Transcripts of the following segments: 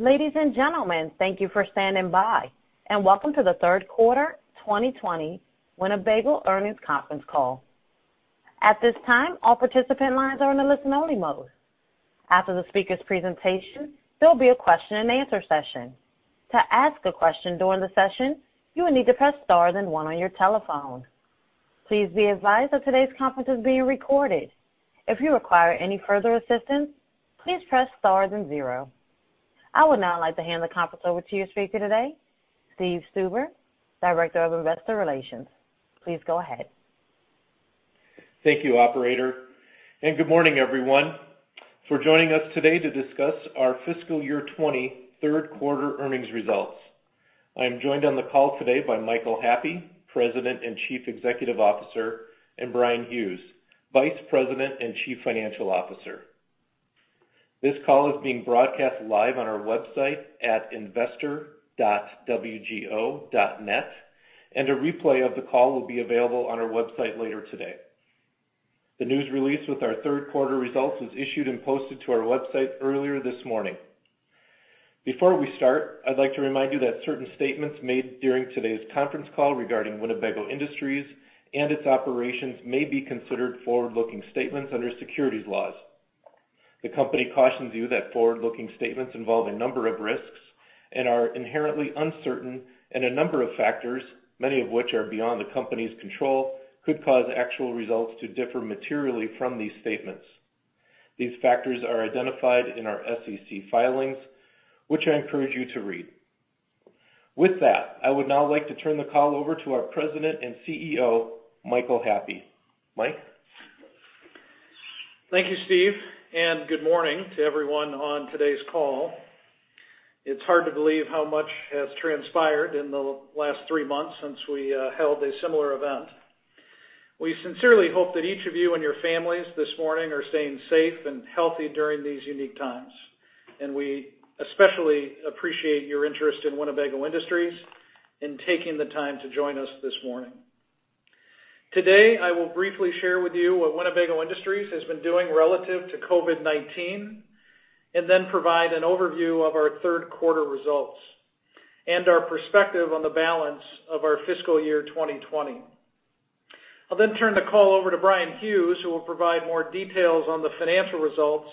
Ladies and gentlemen, thank you for standing by, and welcome to the Third Quarter 2020 Winnebago Earnings Conference Call. At this time, all participant lines are in the listen-only mode. After the speaker's presentation, there will be a question-and-answer session. To ask a question during the session, you will need to press star and then one on your telephone. Please be advised that today's conference is being recorded. If you require any further assistance, please press star and zero. I would now like to hand the conference over to your speaker today, Steve Stuber, Director of Investor Relations. Please go ahead. Thank you, Operator, and good morning, everyone, for joining us today to discuss our Fiscal Year 2020 Third Quarter Earnings Results. I am joined on the call today by Michael Happe, President and Chief Executive Officer, and Bryan Hughes, Vice President and Chief Financial Officer. This call is being broadcast live on our website at investor.wgo.net, and a replay of the call will be available on our website later today. The news release with our third quarter results was issued and posted to our website earlier this morning. Before we start, I'd like to remind you that certain statements made during today's conference call regarding Winnebago Industries and its operations may be considered forward-looking statements under securities laws. The company cautions you that forward-looking statements involve a number of risks and are inherently uncertain, and a number of factors, many of which are beyond the company's control, could cause actual results to differ materially from these statements. These factors are identified in our SEC filings, which I encourage you to read. With that, I would now like to turn the call over to our President and CEO, Michael Happe. Mike? Thank you, Steve, and good morning to everyone on today's call. It's hard to believe how much has transpired in the last three months since we held a similar event. We sincerely hope that each of you and your families this morning are staying safe and healthy during these unique times, and we especially appreciate your interest in Winnebago Industries and taking the time to join us this morning. Today, I will briefly share with you what Winnebago Industries has been doing relative to COVID-19, and then provide an overview of our third quarter results and our perspective on the balance of our Fiscal Year 2020. I'll then turn the call over to Bryan Hughes, who will provide more details on the financial results.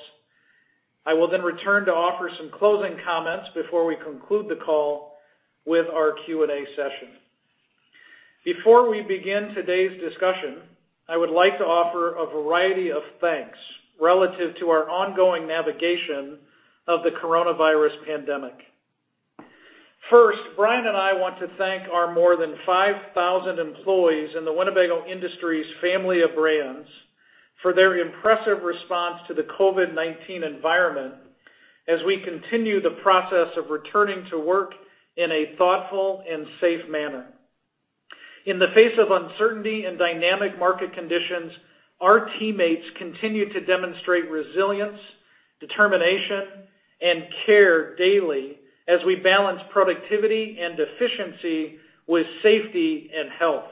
I will then return to offer some closing comments before we conclude the call with our Q&A session. Before we begin today's discussion, I would like to offer a variety of thanks relative to our ongoing navigation of the coronavirus pandemic. First, Bryan and I want to thank our more than 5,000 employees in the Winnebago Industries family of brands for their impressive response to the COVID-19 environment as we continue the process of returning to work in a thoughtful and safe manner. In the face of uncertainty and dynamic market conditions, our teammates continue to demonstrate resilience, determination, and care daily as we balance productivity and efficiency with safety and health.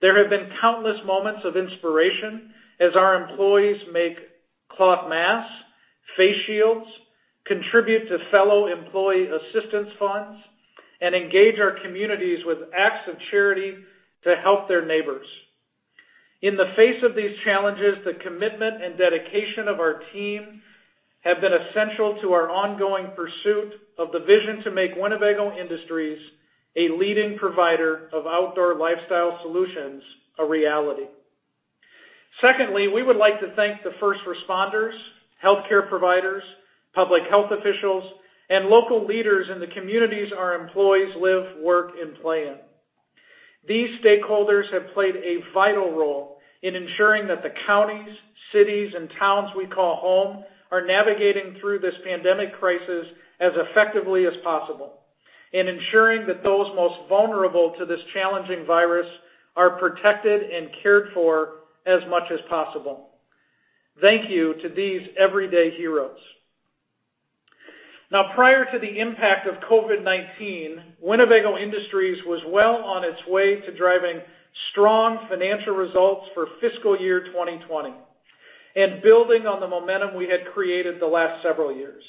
There have been countless moments of inspiration as our employees make cloth masks, face shields, contribute to fellow employee assistance funds, and engage our communities with acts of charity to help their neighbors. In the face of these challenges, the commitment and dedication of our team have been essential to our ongoing pursuit of the vision to make Winnebago Industries a leading provider of outdoor lifestyle solutions a reality. Secondly, we would like to thank the first responders, healthcare providers, public health officials, and local leaders in the communities our employees live, work, and play in. These stakeholders have played a vital role in ensuring that the counties, cities, and towns we call home are navigating through this pandemic crisis as effectively as possible, and ensuring that those most vulnerable to this challenging virus are protected and cared for as much as possible. Thank you to these everyday heroes. Now, prior to the impact of COVID-19, Winnebago Industries was well on its way to driving strong financial results for Fiscal Year 2020 and building on the momentum we had created the last several years.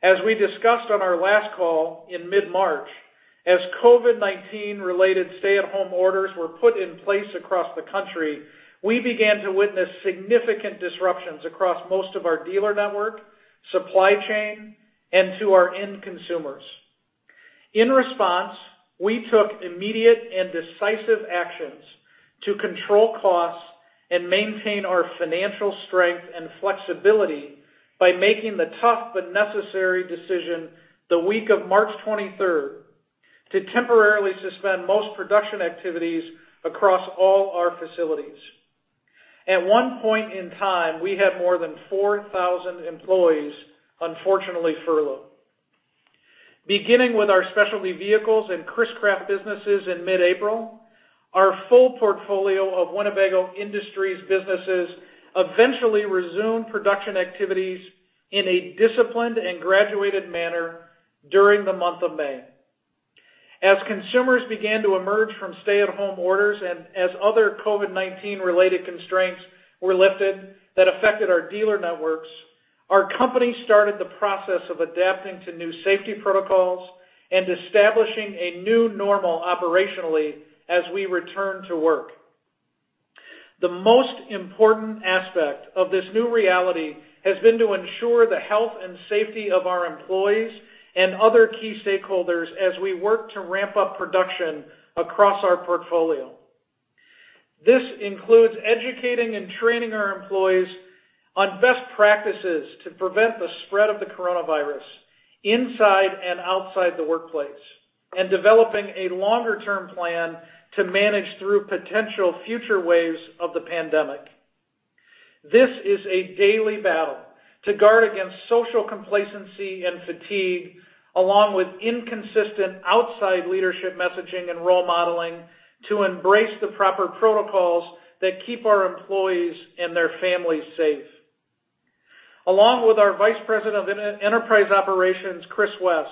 As we discussed on our last call in mid-March, as COVID-19-related stay-at-home orders were put in place across the country, we began to witness significant disruptions across most of our dealer network, supply chain, and to our end consumers. In response, we took immediate and decisive actions to control costs and maintain our financial strength and flexibility by making the tough but necessary decision the week of March 23rd to temporarily suspend most production activities across all our facilities. At one point in time, we had more than 4,000 employees unfortunately furloughed. Beginning with our Specialty Vehicles and Chris-Craft businesses in mid-April, our full portfolio of Winnebago Industries businesses eventually resumed production activities in a disciplined and graduated manner during the month of May. As consumers began to emerge from stay-at-home orders and as other COVID-19-related constraints were lifted that affected our dealer networks, our company started the process of adapting to new safety protocols and establishing a new normal operationally as we returned to work. The most important aspect of this new reality has been to ensure the health and safety of our employees and other key stakeholders as we work to ramp up production across our portfolio. This includes educating and training our employees on best practices to prevent the spread of the coronavirus inside and outside the workplace and developing a longer term plan to manage through potential future waves of the pandemic. This is a daily battle to guard against social complacency and fatigue, along with inconsistent outside leadership messaging and role modeling to embrace the proper protocols that keep our employees and their families safe. Along with our Vice President of Enterprise Operations, Chris West,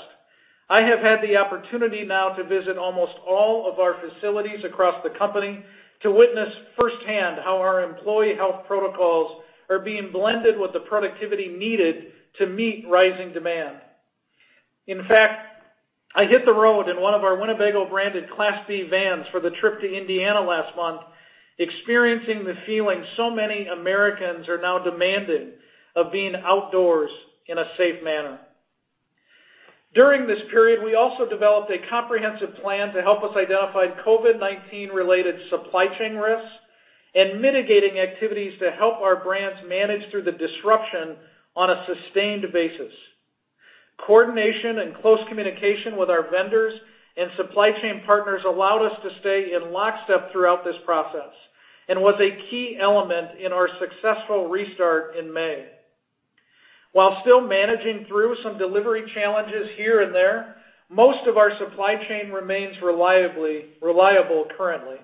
I have had the opportunity now to visit almost all of our facilities across the company to witness firsthand how our employee health protocols are being blended with the productivity needed to meet rising demand. In fact, I hit the road in one of our Winnebago-branded Class B vans for the trip to Indiana last month, experiencing the feeling so many Americans are now demanding of being outdoors in a safe manner. During this period, we also developed a comprehensive plan to help us identify COVID-19-related supply chain risks and mitigating activities to help our brands manage through the disruption on a sustained basis. Coordination and close communication with our vendors and supply chain partners allowed us to stay in lockstep throughout this process and was a key element in our successful restart in May. While still managing through some delivery challenges here and there, most of our supply chain remains reliable currently.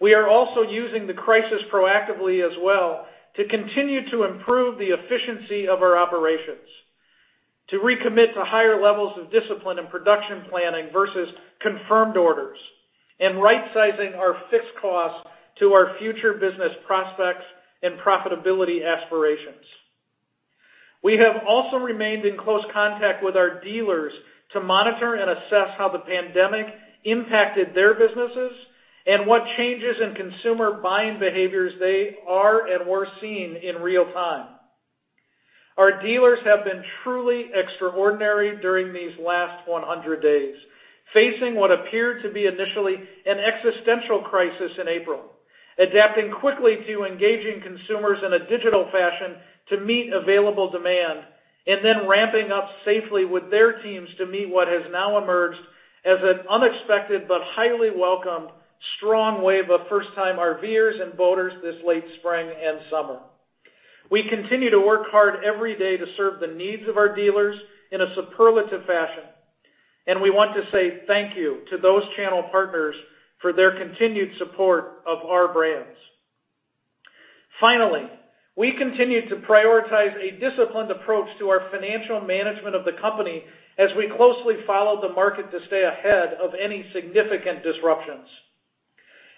We are also using the crisis proactively as well to continue to improve the efficiency of our operations, to recommit to higher levels of discipline in production planning versus confirmed orders, and rightsizing our fixed costs to our future business prospects and profitability aspirations. We have also remained in close contact with our dealers to monitor and assess how the pandemic impacted their businesses and what changes in consumer buying behaviors they are and were seeing in real time. Our dealers have been truly extraordinary during these last 100 days, facing what appeared to be initially an existential crisis in April, adapting quickly to engaging consumers in a digital fashion to meet available demand, and then ramping up safely with their teams to meet what has now emerged as an unexpected but highly welcome strong wave of first-time RVers and boaters this late spring and summer. We continue to work hard every day to serve the needs of our dealers in a superlative fashion, and we want to say thank you to those channel partners for their continued support of our brands. Finally, we continue to prioritize a disciplined approach to our financial management of the company as we closely follow the market to stay ahead of any significant disruptions.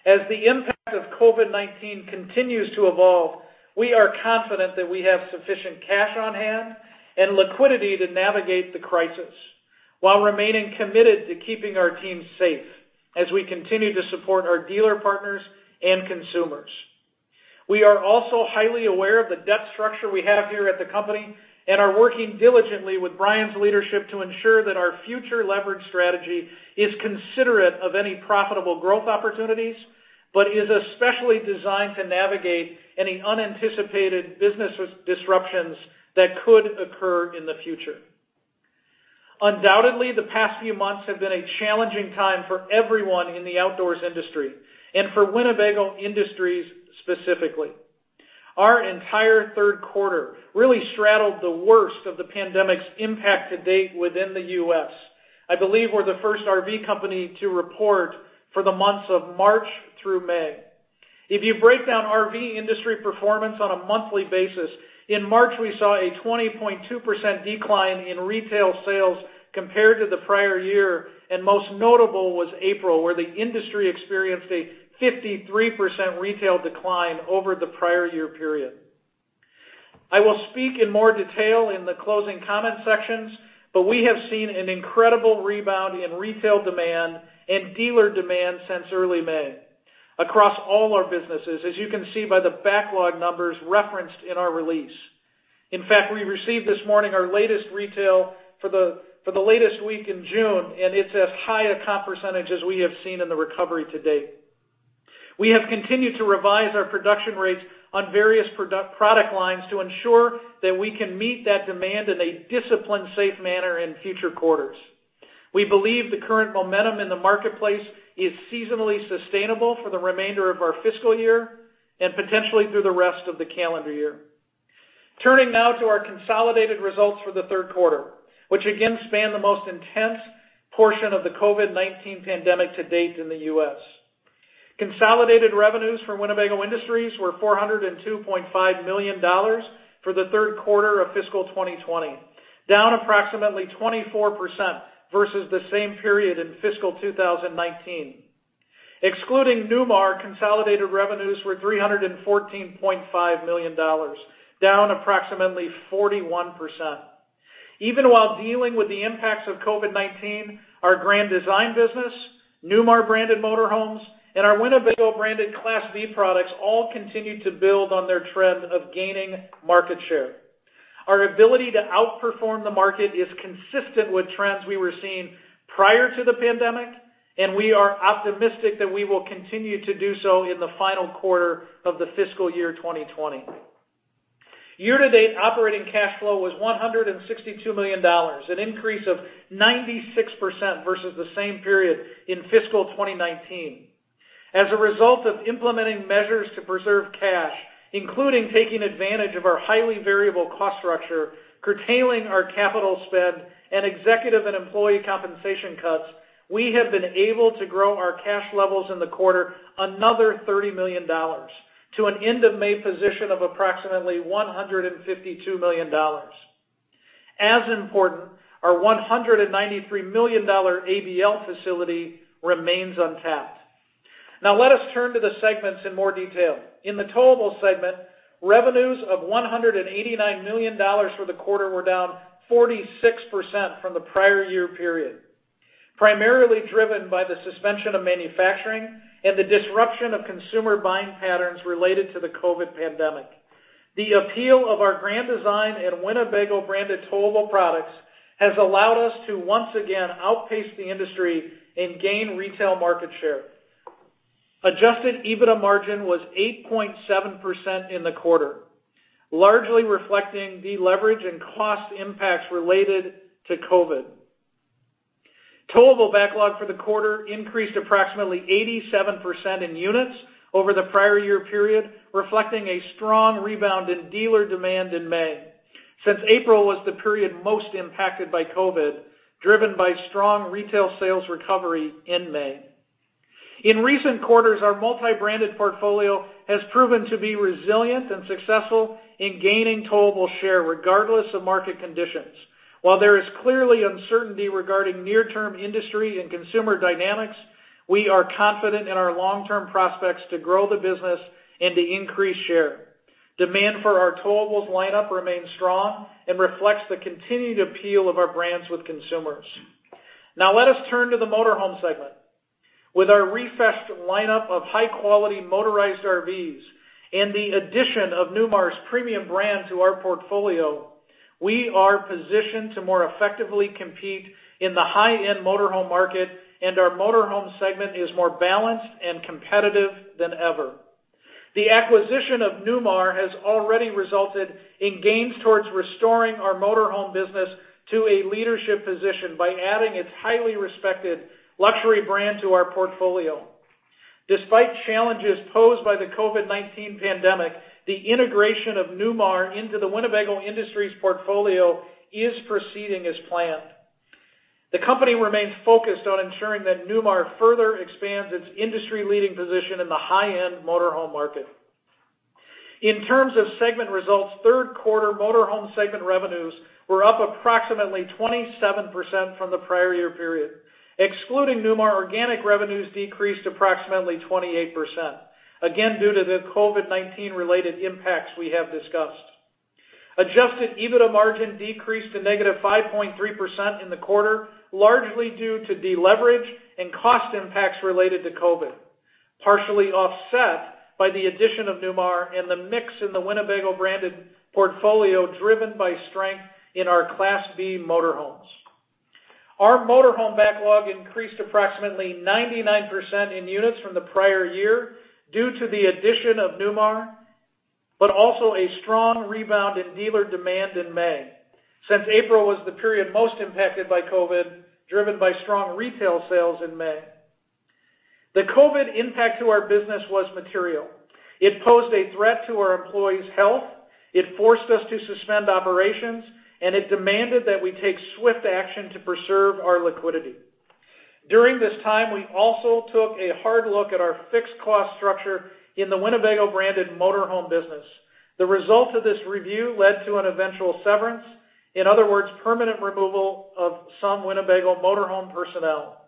As the impact of COVID-19 continues to evolve, we are confident that we have sufficient cash on hand and liquidity to navigate the crisis while remaining committed to keeping our teams safe as we continue to support our dealer partners and consumers. We are also highly aware of the debt structure we have here at the company and are working diligently with Bryan's leadership to ensure that our future leverage strategy is considerate of any profitable growth opportunities but is especially designed to navigate any unanticipated business disruptions that could occur in the future. Undoubtedly, the past few months have been a challenging time for everyone in the outdoors industry and for Winnebago Industries specifically. Our entire third quarter really straddled the worst of the pandemic's impact to date within the U.S. I believe we're the first RV company to report for the months of March through May. If you break down RV industry performance on a monthly basis, in March, we saw a 20.2% decline in retail sales compared to the prior year, and most notable was April, where the industry experienced a 53% retail decline over the prior year period. I will speak in more detail in the closing comment sections, but we have seen an incredible rebound in retail demand and dealer demand since early May across all our businesses, as you can see by the backlog numbers referenced in our release. In fact, we received this morning our latest retail for the latest week in June, and it's as higher comp percentage as we have seen in the recovery to date. We have continued to revise our production rates on various product lines to ensure that we can meet that demand in a disciplined safe manner in future quarters. We believe the current momentum in the marketplace is seasonally sustainable for the remainder of our fiscal year and potentially through the rest of the calendar year. Turning now to our consolidated results for the third quarter, which again spanned the most intense portion of the COVID-19 pandemic to date in the U.S. Consolidated revenues for Winnebago Industries were $402.5 million for the third quarter of fiscal 2020, down approximately 24% versus the same period in fiscal 2019. Excluding Newmar, consolidated revenues were $314.5 million, down approximately 41%. Even while dealing with the impacts of COVID-19, our Grand Design business, Newmar-branded motorhomes, and our Winnebago-branded Class B products all continue to build on their trend of gaining market share. Our ability to outperform the market is consistent with trends we were seeing prior to the pandemic, and we are optimistic that we will continue to do so in the final quarter of the Fiscal Year 2020. Year-to-date operating cash flow was $162 million, an increase of 96% versus the same period in fiscal 2019. As a result of implementing measures to preserve cash, including taking advantage of our highly variable cost structure, curtailing our capital spend, and executive and employee compensation cuts, we have been able to grow our cash levels in the quarter another $30 million to an end of May position of approximately $152 million. As important, our $193 million ABL facility remains untapped. Now, let us turn to the segments in more detail. In the Towable Segment, revenues of $189 million for the quarter were down 46% from the prior year period, primarily driven by the suspension of manufacturing and the disruption of consumer buying patterns related to the COVID pandemic. The appeal of our Grand Design and Winnebago-branded Towable products has allowed us to once again outpace the industry and gain retail market share. Adjusted EBITDA margin was 8.7% in the quarter, largely reflecting deleverage and cost impacts related to COVID. Total backlog for the quarter increased approximately 87% in units over the prior year period, reflecting a strong rebound in dealer demand in May, since April was the period most impacted by COVID, driven by strong retail sales recovery in May. In recent quarters, our multi-branded portfolio has proven to be resilient and successful in gaining total share regardless of market conditions. While there is clearly uncertainty regarding near-term industry and consumer dynamics, we are confident in our long-term prospects to grow the business and to increase share. Demand for our Towables lineup remains strong and reflects the continued appeal of our brands with consumers. Now, let us turn to the Motorhome Segment. With our refreshed lineup of high-quality motorized RVs and the addition of Newmar's premium brand to our portfolio, we are positioned to more effectively compete in the high-end Motorhome market, and our Motorhome Segment is more balanced and competitive than ever. The acquisition of Newmar has already resulted in gains towards restoring our motorhome business to a leadership position by adding its highly respected luxury brand to our portfolio. Despite challenges posed by the COVID-19 pandemic, the integration of Newmar into the Winnebago Industries portfolio is proceeding as planned. The company remains focused on ensuring that Newmar further expands its industry-leading position in the high-end Motorhome market. In terms of segment results, third quarter Motorhome Segment revenues were up approximately 27% from the prior year period. Excluding Newmar, organic revenues decreased approximately 28%, again due to the COVID-19-related impacts we have discussed. Adjusted EBITDA margin decreased to negative 5.3% in the quarter, largely due to deleverage and cost impacts related to COVID, partially offset by the addition of Newmar and the mix in the Winnebago-branded portfolio driven by strength in our Class B motorhomes. Our Motorhome backlog increased approximately 99% in units from the prior year due to the addition of Newmar, but also a strong rebound in dealer demand in May, since April was the period most impacted by COVID, driven by strong retail sales in May. The COVID impact to our business was material. It posed a threat to our employees' health. It forced us to suspend operations, and it demanded that we take swift action to preserve our liquidity. During this time, we also took a hard look at our fixed cost structure in the Winnebago-branded Motorhome business. The result of this review led to an eventual severance, in other words, permanent removal of some Winnebago Motorhome personnel.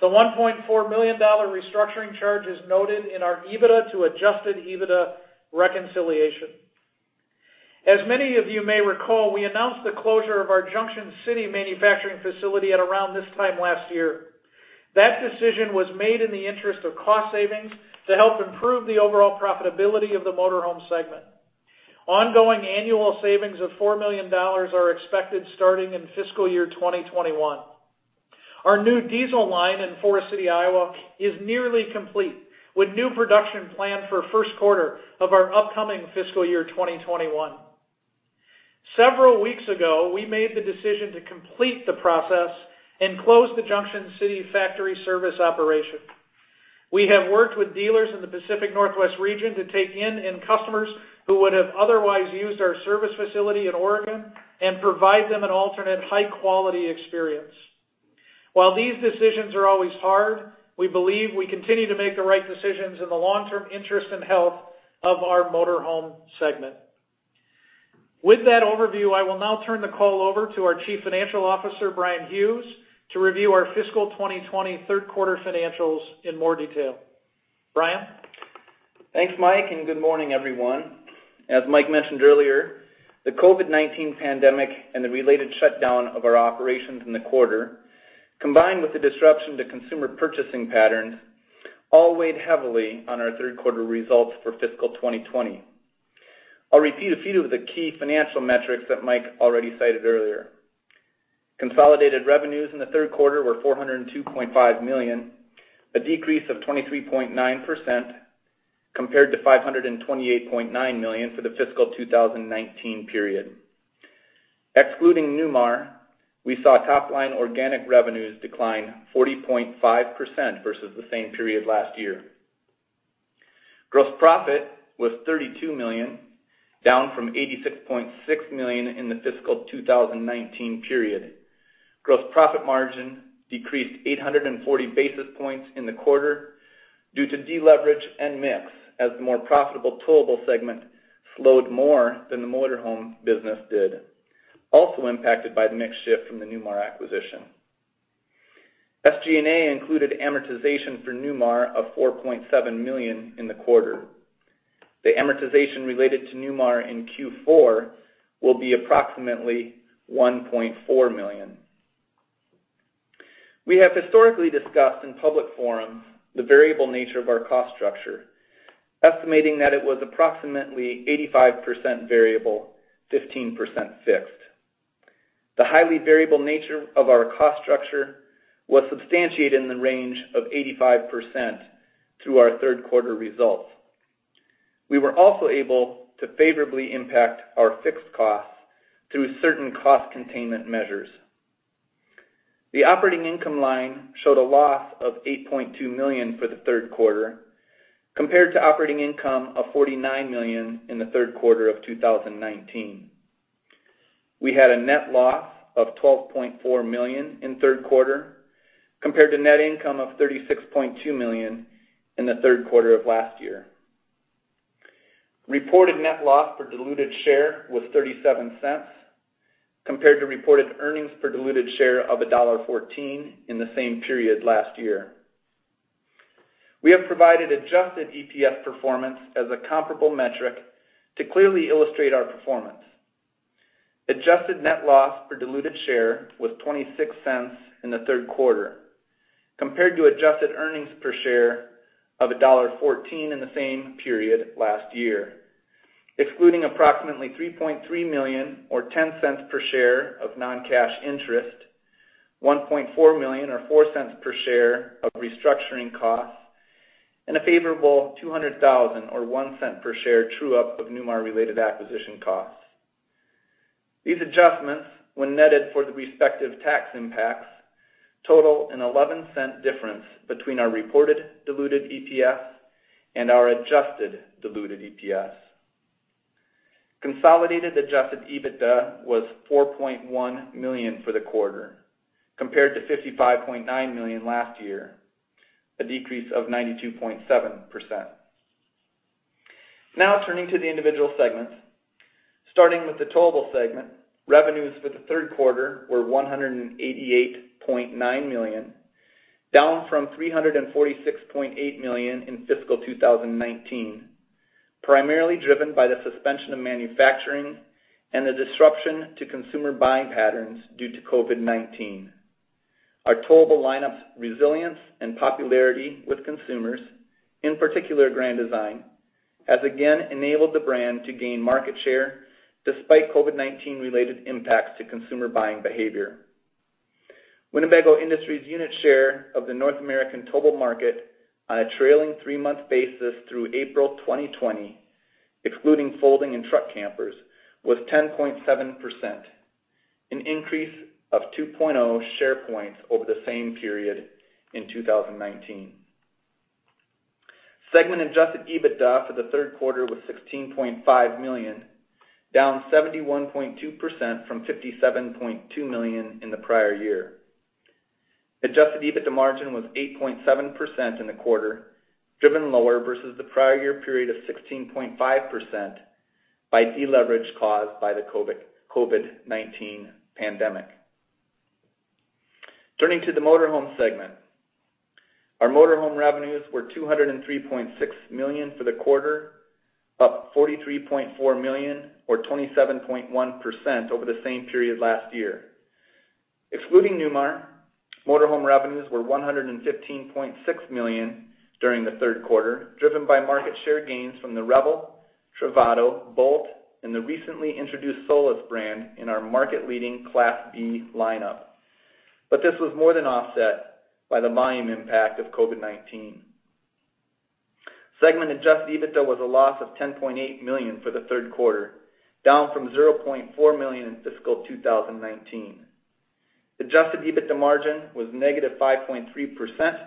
The $1.4 million restructuring charge is noted in our EBITDA to adjusted EBITDA reconciliation. As many of you may recall, we announced the closure of our Junction City manufacturing facility at around this time last year. That decision was made in the interest of cost savings to help improve the overall profitability of the Motorhome Segment. Ongoing annual savings of $4 million are expected starting in Fiscal Year 2021. Our new diesel line in Forest City, Iowa is nearly complete with new production planned for first quarter of our upcoming Fiscal Year 2021. Several weeks ago, we made the decision to complete the process and close the Junction City factory service operation. We have worked with dealers in the Pacific Northwest region to take in customers who would have otherwise used our service facility in Oregon and provide them an alternate high-quality experience. While these decisions are always hard, we believe we continue to make the right decisions in the long-term interest and health of our Motorhome Segment. With that overview, I will now turn the call over to our Chief Financial Officer, Bryan Hughes, to review our fiscal 2020 third quarter financials in more detail. Bryan? Thanks, Mike, and good morning, everyone. As Mike mentioned earlier, the COVID-19 pandemic and the related shutdown of our operations in the quarter, combined with the disruption to consumer purchasing patterns, all weighed heavily on our third quarter results for fiscal 2020. I'll repeat a few of the key financial metrics that Mike already cited earlier. Consolidated revenues in the third quarter were $402.5 million, a decrease of 23.9% compared to $528.9 million for the fiscal 2019 period. Excluding Newmar, we saw top-line organic revenues decline 40.5% versus the same period last year. Gross profit was $32 million, down from $86.6 million in the fiscal 2019 period. Gross profit margin decreased 840 basis points in the quarter due to deleverage and mix as the more profitable Towable Segment slowed more than the motorhome business did, also impacted by the mix shift from the Newmar acquisition. SG&A included amortization for Newmar of $4.7 million in the quarter. The amortization related to Newmar in Q4 will be approximately $1.4 million. We have historically discussed in public forums the variable nature of our cost structure, estimating that it was approximately 85% variable, 15% fixed. The highly variable nature of our cost structure was substantiated in the range of 85% through our third quarter results. We were also able to favorably impact our fixed costs through certain cost containment measures. The operating income line showed a loss of $8.2 million for the third quarter compared to operating income of $49 million in the third quarter of 2019. We had a net loss of $12.4 million in third quarter compared to net income of $36.2 million in the third quarter of last year. Reported net loss per diluted share was $0.37 compared to reported earnings per diluted share of $1.14 in the same period last year. We have provided adjusted EPS performance as a comparable metric to clearly illustrate our performance. Adjusted net loss per diluted share was $0.26 in the third quarter compared to adjusted earnings per share of $1.14 in the same period last year, excluding approximately $3.3 million or $0.10 per share of non-cash interest, $1.4 million or $0.04 per share of restructuring costs, and a favorable $200,000 or $0.01 per share true-up of Newmar-related acquisition costs. These adjustments, when netted for the respective tax impacts, total a $0.11 difference between our reported diluted EPS and our adjusted diluted EPS. Consolidated adjusted EBITDA was $4.1 million for the quarter compared to $55.9 million last year, a decrease of 92.7%. Now, turning to the individual segments. Starting with the Towable Segment, revenues for the third quarter were $188.9 million, down from $346.8 million in fiscal 2019, primarily driven by the suspension of manufacturing and the disruption to consumer buying patterns due to COVID-19. Our Towable lineup's resilience and popularity with consumers, in particular Grand Design, has again enabled the brand to gain market share despite COVID-19-related impacts to consumer buying behavior. Winnebago Industries unit share of the North American Towable market on a trailing three-month basis through April 2020, excluding folding and truck campers, was 10.7%, an increase of 2.0 share points over the same period in 2019. Segment-adjusted EBITDA for the third quarter was $16.5 million, down 71.2% from $57.2 million in the prior year. Adjusted EBITDA margin was 8.7% in the quarter, driven lower versus the prior year period of 16.5% by deleverage caused by the COVID-19 pandemic. Turning to the Motorhome Segment, our Motorhome revenues were $203.6 million for the quarter, up $43.4 million or 27.1% over the same period last year. Excluding Newmar, Motorhome revenues were $115.6 million during the third quarter, driven by market share gains from the Revel, Travato, Boldt, and the recently introduced Solis brand in our market-leading Class B lineup. But this was more than offset by the volume impact of COVID-19. Segment-adjusted EBITDA was a loss of $10.8 million for the third quarter, down from $0.4 million in fiscal 2019. Adjusted EBITDA margin was negative 5.3%,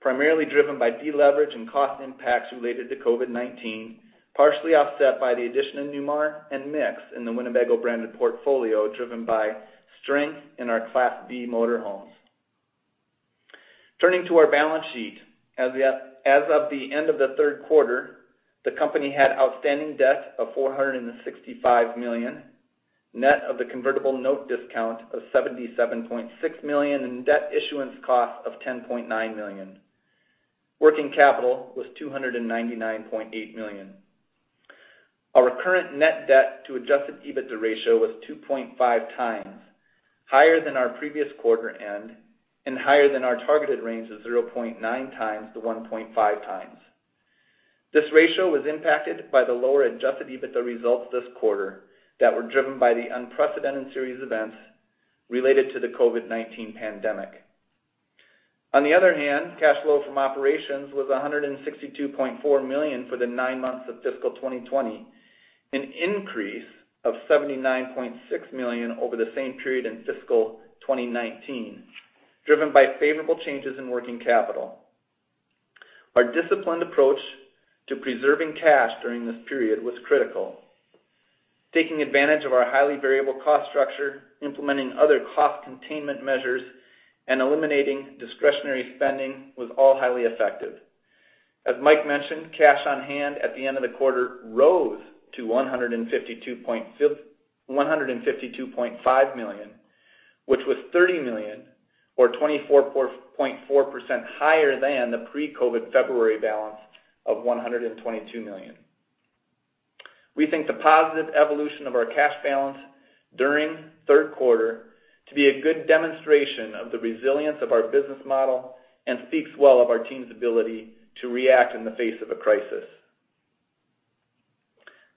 primarily driven by deleverage and cost impacts related to COVID-19, partially offset by the addition of Newmar and mix in the Winnebago-branded portfolio, driven by strength in our Class B motorhomes. Turning to our balance sheet, as of the end of the third quarter, the company had outstanding debt of $465 million, net of the convertible note discount of $77.6 million, and debt issuance cost of $10.9 million. Working capital was $299.8 million. Our current net debt to Adjusted EBITDA ratio was 2.5 times higher than our previous quarter end and higher than our targeted range of 0.9 times to 1.5 times. This ratio was impacted by the lower Adjusted EBITDA results this quarter that were driven by the unprecedented series of events related to the COVID-19 pandemic. On the other hand, cash flow from operations was $162.4 million for the nine months of fiscal 2020, an increase of $79.6 million over the same period in fiscal 2019, driven by favorable changes in working capital. Our disciplined approach to preserving cash during this period was critical. Taking advantage of our highly variable cost structure, implementing other cost containment measures, and eliminating discretionary spending was all highly effective. As Mike mentioned, cash on hand at the end of the quarter rose to $152.5 million, which was $30 million or 24.4% higher than the pre-COVID February balance of $122 million. We think the positive evolution of our cash balance during third quarter to be a good demonstration of the resilience of our business model and speaks well of our team's ability to react in the face of a crisis.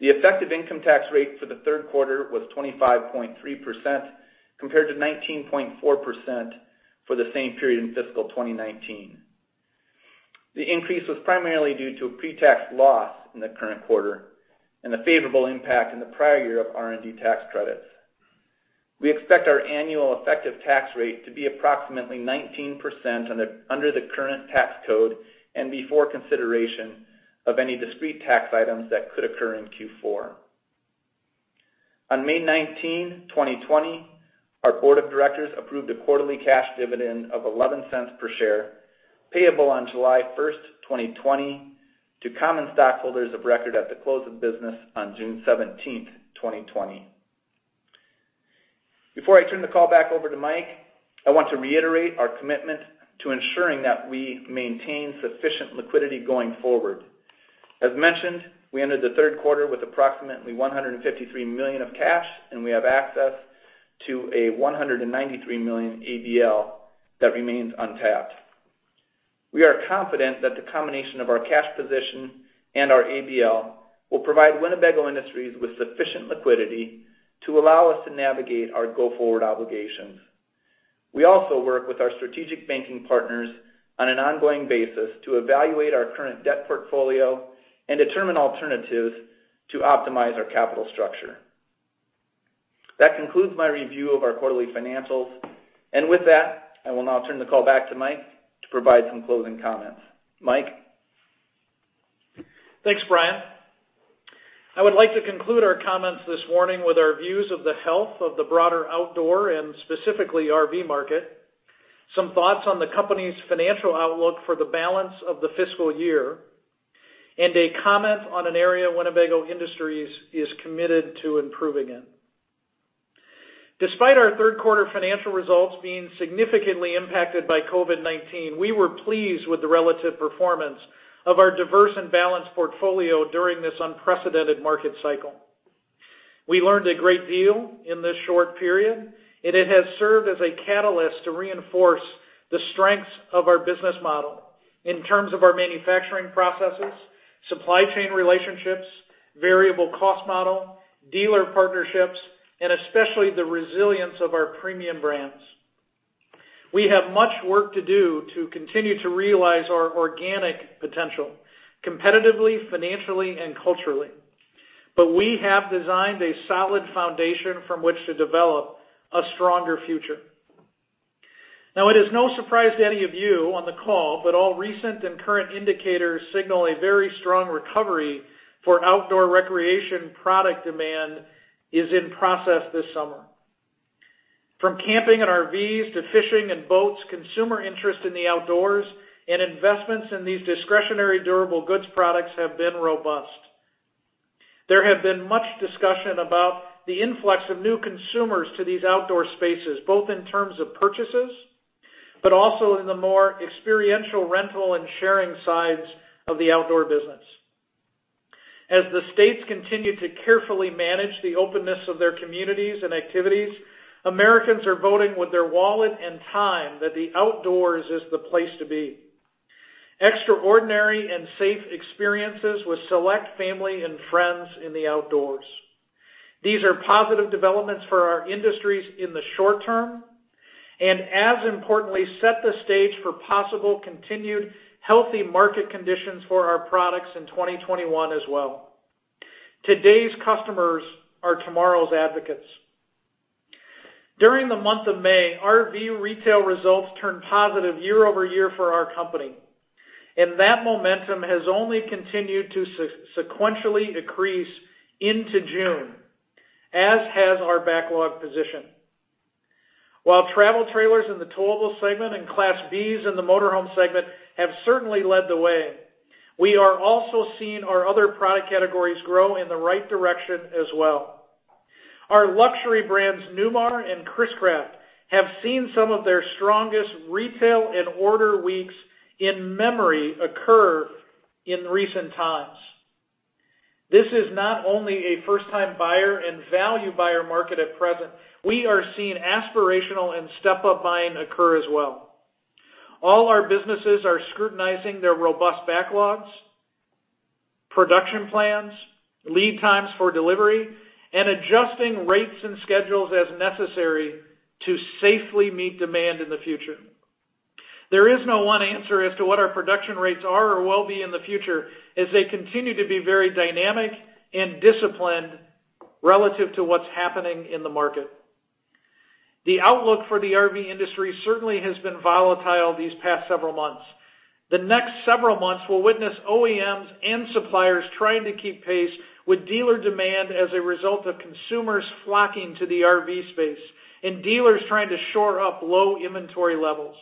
The effective income tax rate for the third quarter was 25.3% compared to 19.4% for the same period in fiscal 2019. The increase was primarily due to a pre-tax loss in the current quarter and a favorable impact in the prior year of R&D tax credits. We expect our annual effective tax rate to be approximately 19% under the current tax code and before consideration of any discrete tax items that could occur in Q4. On May 19th, 2020, our Board of Directors approved a quarterly cash dividend of $0.11 per share, payable on July 1st, 2020, to common stockholders of record at the close of business on June 17th, 2020. Before I turn the call back over to Mike, I want to reiterate our commitment to ensuring that we maintain sufficient liquidity going forward. As mentioned, we entered the third quarter with approximately $153 million of cash, and we have access to a $193 million ABL that remains untapped. We are confident that the combination of our cash position and our ABL will provide Winnebago Industries with sufficient liquidity to allow us to navigate our go-forward obligations. We also work with our strategic banking partners on an ongoing basis to evaluate our current debt portfolio and determine alternatives to optimize our capital structure. That concludes my review of our quarterly financials. And with that, I will now turn the call back to Mike to provide some closing comments. Mike? Thanks, Bryan. I would like to conclude our comments this morning with our views of the health of the broader outdoor and specifically RV market, some thoughts on the company's financial outlook for the balance of the fiscal year, and a comment on an area Winnebago Industries is committed to improving in. Despite our third quarter financial results being significantly impacted by COVID-19, we were pleased with the relative performance of our diverse and balanced portfolio during this unprecedented market cycle. We learned a great deal in this short period, and it has served as a catalyst to reinforce the strengths of our business model in terms of our manufacturing processes, supply chain relationships, variable cost model, dealer partnerships, and especially the resilience of our premium brands. We have much work to do to continue to realize our organic potential competitively, financially, and culturally. But we have designed a solid foundation from which to develop a stronger future. Now, it is no surprise to any of you on the call, but all recent and current indicators signal a very strong recovery for outdoor recreation product demand is in process this summer. From camping and RVs to fishing and boats, consumer interest in the outdoors and investments in these discretionary durable goods products have been robust. There have been much discussion about the influx of new consumers to these outdoor spaces, both in terms of purchases but also in the more experiential rental and sharing sides of the outdoor business. As the states continue to carefully manage the openness of their communities and activities, Americans are voting with their wallet and time that the outdoors is the place to be: extraordinary and safe experiences with select family and friends in the outdoors. These are positive developments for our industries in the short term and, as importantly, set the stage for possible continued healthy market conditions for our products in 2021 as well. Today's customers are tomorrow's advocates. During the month of May, RV retail results turned positive year-over-year for our company, and that momentum has only continued to sequentially increase into June, as has our backlog position. While travel trailers in the Towable Segment and Class Bs in the Motorhome Segment have certainly led the way, we are also seeing our other product categories grow in the right direction as well. Our luxury brands, Newmar and Chris-Craft have seen some of their strongest retail and order weeks in memory occur in recent times. This is not only a first-time buyer and value buyer market at present. We are seeing aspirational and step-up buying occur as well. All our businesses are scrutinizing their robust backlogs, production plans, lead times for delivery, and adjusting rates and schedules as necessary to safely meet demand in the future. There is no one answer as to what our production rates are or will be in the future as they continue to be very dynamic and disciplined relative to what's happening in the market. The outlook for the RV industry certainly has been volatile these past several months. The next several months will witness OEMs and suppliers trying to keep pace with dealer demand as a result of consumers flocking to the RV space and dealers trying to shore up low inventory levels.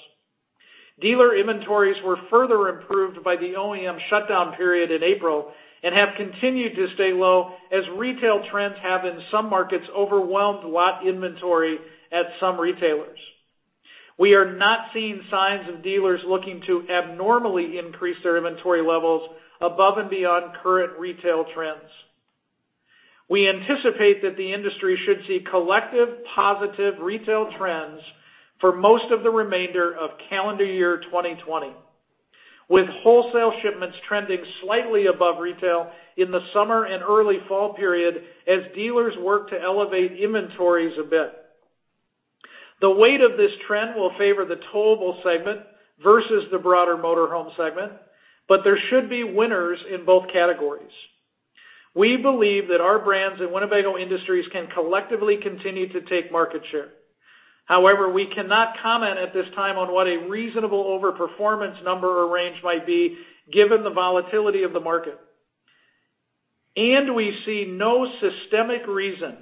Dealer inventories were further improved by the OEM shutdown period in April and have continued to stay low as retail trends have in some markets overwhelmed lot inventory at some retailers. We are not seeing signs of dealers looking to abnormally increase their inventory levels above and beyond current retail trends. We anticipate that the industry should see collective positive retail trends for most of the remainder of calendar year 2020, with wholesale shipments trending slightly above retail in the summer and early fall period as dealers work to elevate inventories a bit. The weight of this trend will favor the Towable Segment versus the broader Motorhome Segment, but there should be winners in both categories. We believe that our brands and Winnebago Industries can collectively continue to take market share. However, we cannot comment at this time on what a reasonable overperformance number or range might be given the volatility of the market, and we see no systemic reason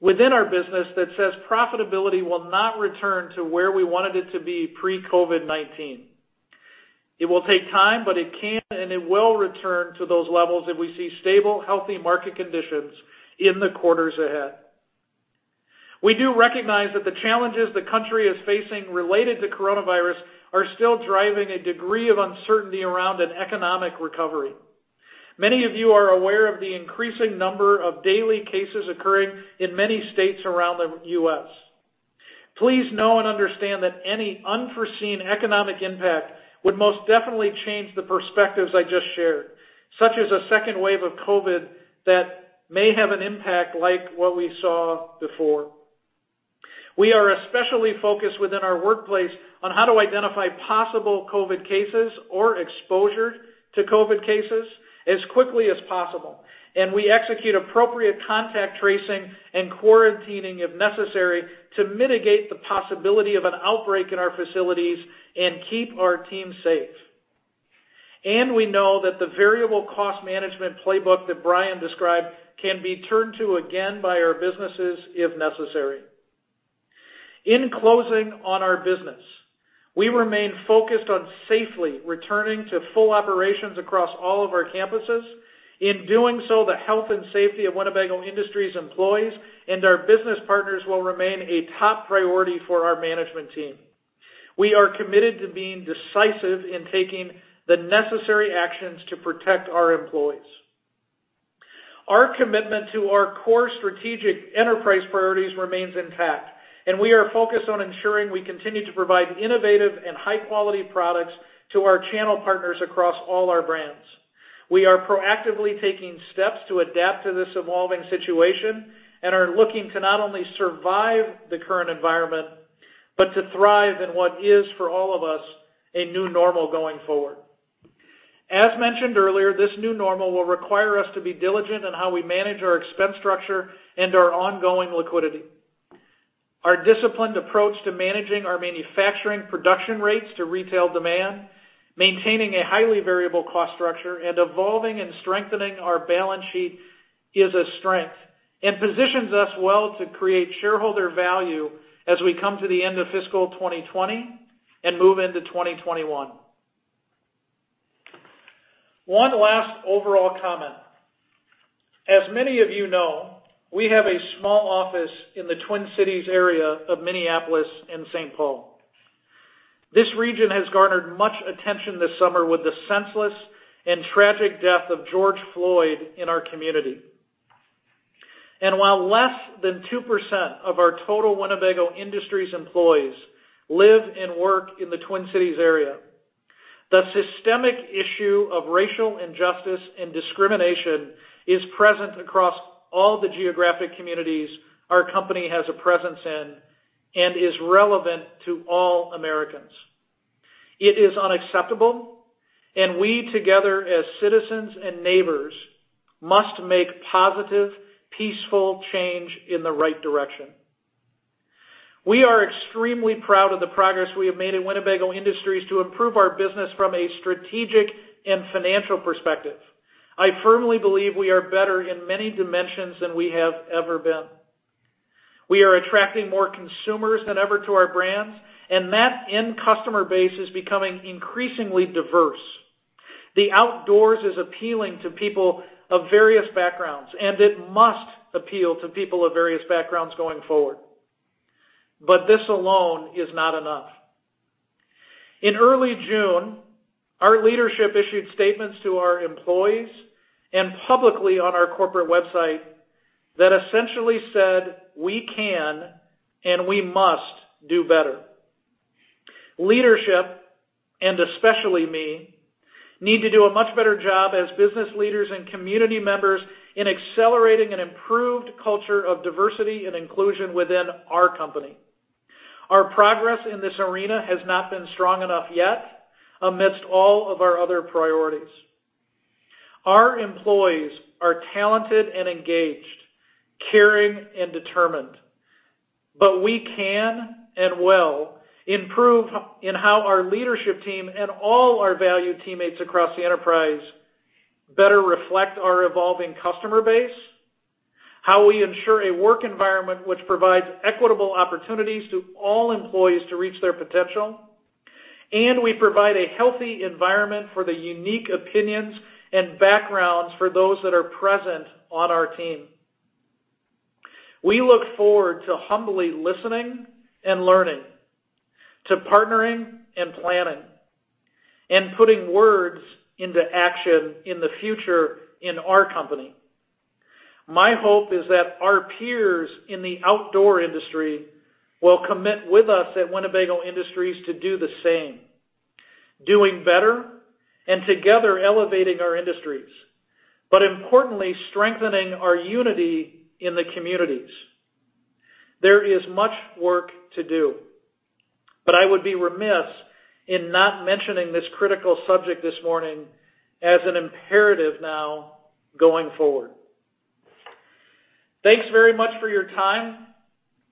within our business that says profitability will not return to where we wanted it to be pre-COVID-19. It will take time, but it can and it will return to those levels if we see stable, healthy market conditions in the quarters ahead. We do recognize that the challenges the country is facing related to coronavirus are still driving a degree of uncertainty around an economic recovery. Many of you are aware of the increasing number of daily cases occurring in many states around the U.S. Please know and understand that any unforeseen economic impact would most definitely change the perspectives I just shared, such as a second wave of COVID that may have an impact like what we saw before. We are especially focused within our workplace on how to identify possible COVID cases or exposure to COVID cases as quickly as possible, and we execute appropriate contact tracing and quarantining if necessary to mitigate the possibility of an outbreak in our facilities and keep our team safe. And we know that the variable cost management playbook that Bryan described can be turned to again by our businesses if necessary. In closing on our business, we remain focused on safely returning to full operations across all of our campuses. In doing so, the health and safety of Winnebago Industries' employees and our business partners will remain a top priority for our management team. We are committed to being decisive in taking the necessary actions to protect our employees. Our commitment to our core strategic enterprise priorities remains intact, and we are focused on ensuring we continue to provide innovative and high-quality products to our channel partners across all our brands. We are proactively taking steps to adapt to this evolving situation and are looking to not only survive the current environment but to thrive in what is, for all of us, a new normal going forward. As mentioned earlier, this new normal will require us to be diligent in how we manage our expense structure and our ongoing liquidity. Our disciplined approach to managing our manufacturing production rates to retail demand, maintaining a highly variable cost structure, and evolving and strengthening our balance sheet is a strength and positions us well to create shareholder value as we come to the end of fiscal 2020 and move into 2021. One last overall comment. As many of you know, we have a small office in the Twin Cities area of Minneapolis and Saint Paul. This region has garnered much attention this summer with the senseless and tragic death of George Floyd in our community. And while less than 2% of our total Winnebago Industries' employees live and work in the Twin Cities area, the systemic issue of racial injustice and discrimination is present across all the geographic communities our company has a presence in and is relevant to all Americans. It is unacceptable, and we together as citizens and neighbors must make positive, peaceful change in the right direction. We are extremely proud of the progress we have made at Winnebago Industries to improve our business from a strategic and financial perspective. I firmly believe we are better in many dimensions than we have ever been. We are attracting more consumers than ever to our brands, and that end customer base is becoming increasingly diverse. The outdoors is appealing to people of various backgrounds, and it must appeal to people of various backgrounds going forward. But this alone is not enough. In early June, our leadership issued statements to our employees and publicly on our corporate website that essentially said, "We can and we must do better." Leadership, and especially me, need to do a much better job as business leaders and community members in accelerating an improved culture of diversity and inclusion within our company. Our progress in this arena has not been strong enough yet amidst all of our other priorities. Our employees are talented and engaged, caring, and determined, but we can and will improve in how our leadership team and all our valued teammates across the enterprise better reflect our evolving customer base, how we ensure a work environment which provides equitable opportunities to all employees to reach their potential, and we provide a healthy environment for the unique opinions and backgrounds for those that are present on our team. We look forward to humbly listening and learning, to partnering and planning, and putting words into action in the future in our company. My hope is that our peers in the outdoor industry will commit with us at Winnebago Industries to do the same, doing better and together elevating our industries, but importantly, strengthening our unity in the communities. There is much work to do, but I would be remiss in not mentioning this critical subject this morning as an imperative now going forward. Thanks very much for your time,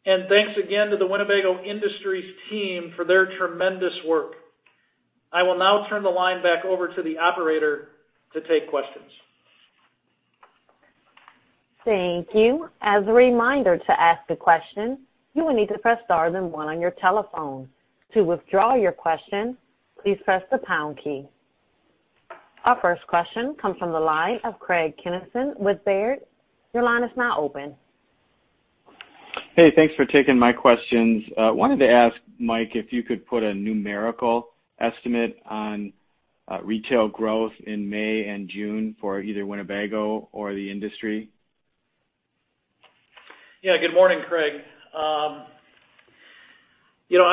and thanks again to the Winnebago Industries' team for their tremendous work. I will now turn the line back over to the operator to take questions. Thank you. As a reminder to ask a question, you will need to press star then one on your telephone. To withdraw your question, please press the pound key. Our first question comes from the line of Craig Kennison with Baird. Your line is now open. Hey, thanks for taking my questions. I wanted to ask Mike, if you could put a numerical estimate on retail growth in May and June for either Winnebago or the industry? Yeah, good morning, Craig. I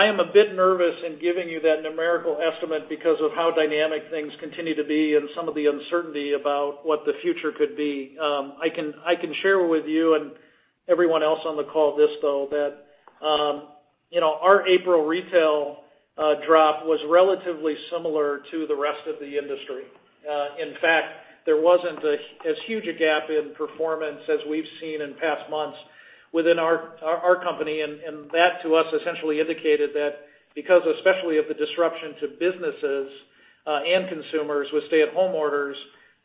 am a bit nervous in giving you that numerical estimate because of how dynamic things continue to be and some of the uncertainty about what the future could be. I can share with you and everyone else on the call this, though, that our April retail drop was relatively similar to the rest of the industry. In fact, there wasn't as huge a gap in performance as we've seen in past months within our company, and that to us essentially indicated that because especially of the disruption to businesses and consumers with stay-at-home orders,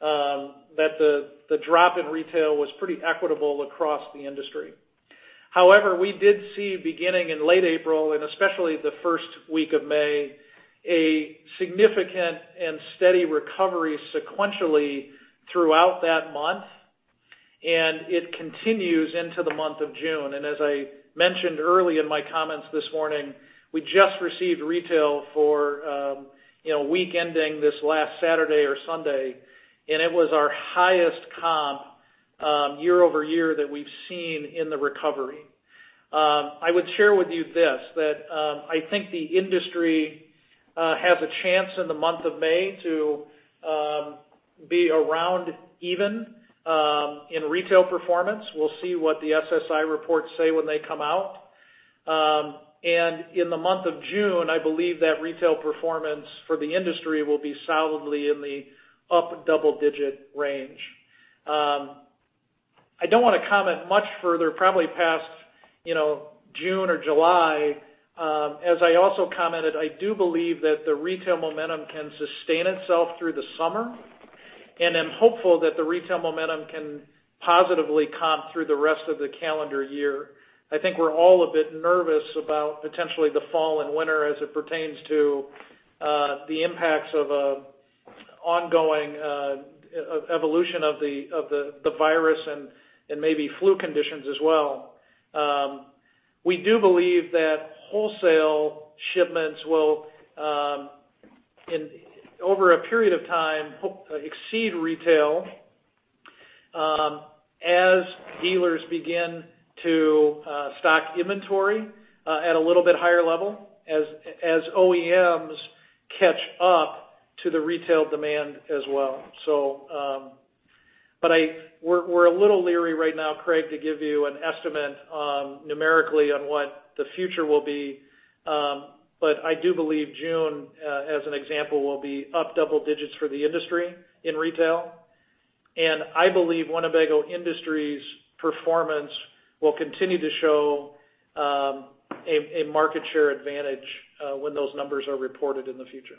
that the drop in retail was pretty equitable across the industry. However, we did see beginning in late April and especially the first week of May a significant and steady recovery sequentially throughout that month, and it continues into the month of June. As I mentioned early in my comments this morning, we just received retail for a week ending this last Saturday or Sunday, and it was our highest comp year-over-year that we've seen in the recovery. I would share with you this, that I think the industry has a chance in the month of May to be around even in retail performance. We'll see what the SSI reports say when they come out. In the month of June, I believe that retail performance for the industry will be solidly in the up double-digit range. I don't want to comment much further, probably past June or July. As I also commented, I do believe that the retail momentum can sustain itself through the summer, and I'm hopeful that the retail momentum can positively comp through the rest of the calendar year. I think we're all a bit nervous about potentially the fall and winter as it pertains to the impacts of an ongoing evolution of the virus and maybe flu conditions as well. We do believe that wholesale shipments will, over a period of time, exceed retail as dealers begin to stock inventory at a little bit higher level, as OEMs catch up to the retail demand as well. But we're a little leery right now, Craig, to give you an estimate numerically on what the future will be, but I do believe June, as an example, will be up double digits for the industry in retail, and I believe Winnebago Industries' performance will continue to show a market share advantage when those numbers are reported in the future.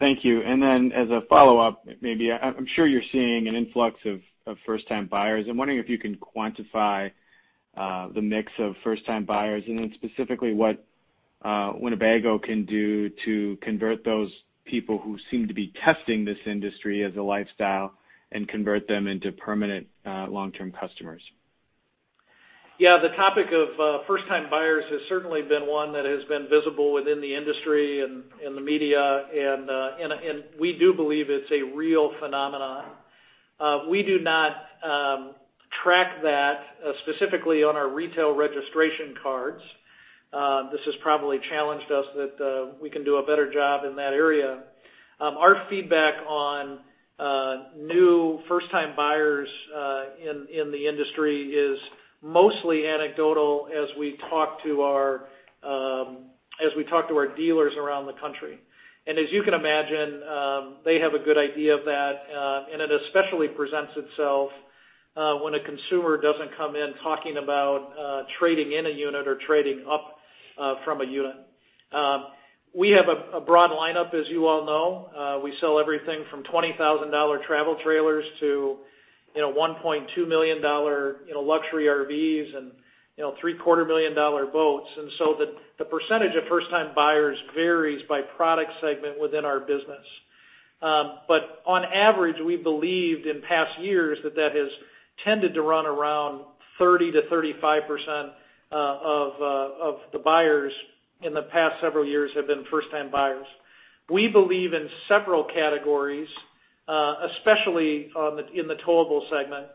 Thank you. And then as a follow-up, maybe I'm sure you're seeing an influx of first-time buyers. I'm wondering if you can quantify the mix of first-time buyers and then specifically what Winnebago can do to convert those people who seem to be testing this industry as a lifestyle and convert them into permanent long-term customers. Yeah, the topic of first-time buyers has certainly been one that has been visible within the industry and the media, and we do believe it's a real phenomenon. We do not track that specifically on our retail registration cards. This has probably challenged us that we can do a better job in that area. Our feedback on new first-time buyers in the industry is mostly anecdotal as we talk to our dealers around the country. And as you can imagine, they have a good idea of that, and it especially presents itself when a consumer doesn't come in talking about trading in a unit or trading up from a unit. We have a broad lineup, as you all know. We sell everything from $20,000 travel trailers to $1.2 million luxury RVs and $3.2 million boats. And so the percentage of first-time buyers varies by product segment within our business. But on average, we believed in past years that that has tended to run around 30%-35% of the buyers in the past several years have been first-time buyers. We believe in several categories, especially in the Towable Segment,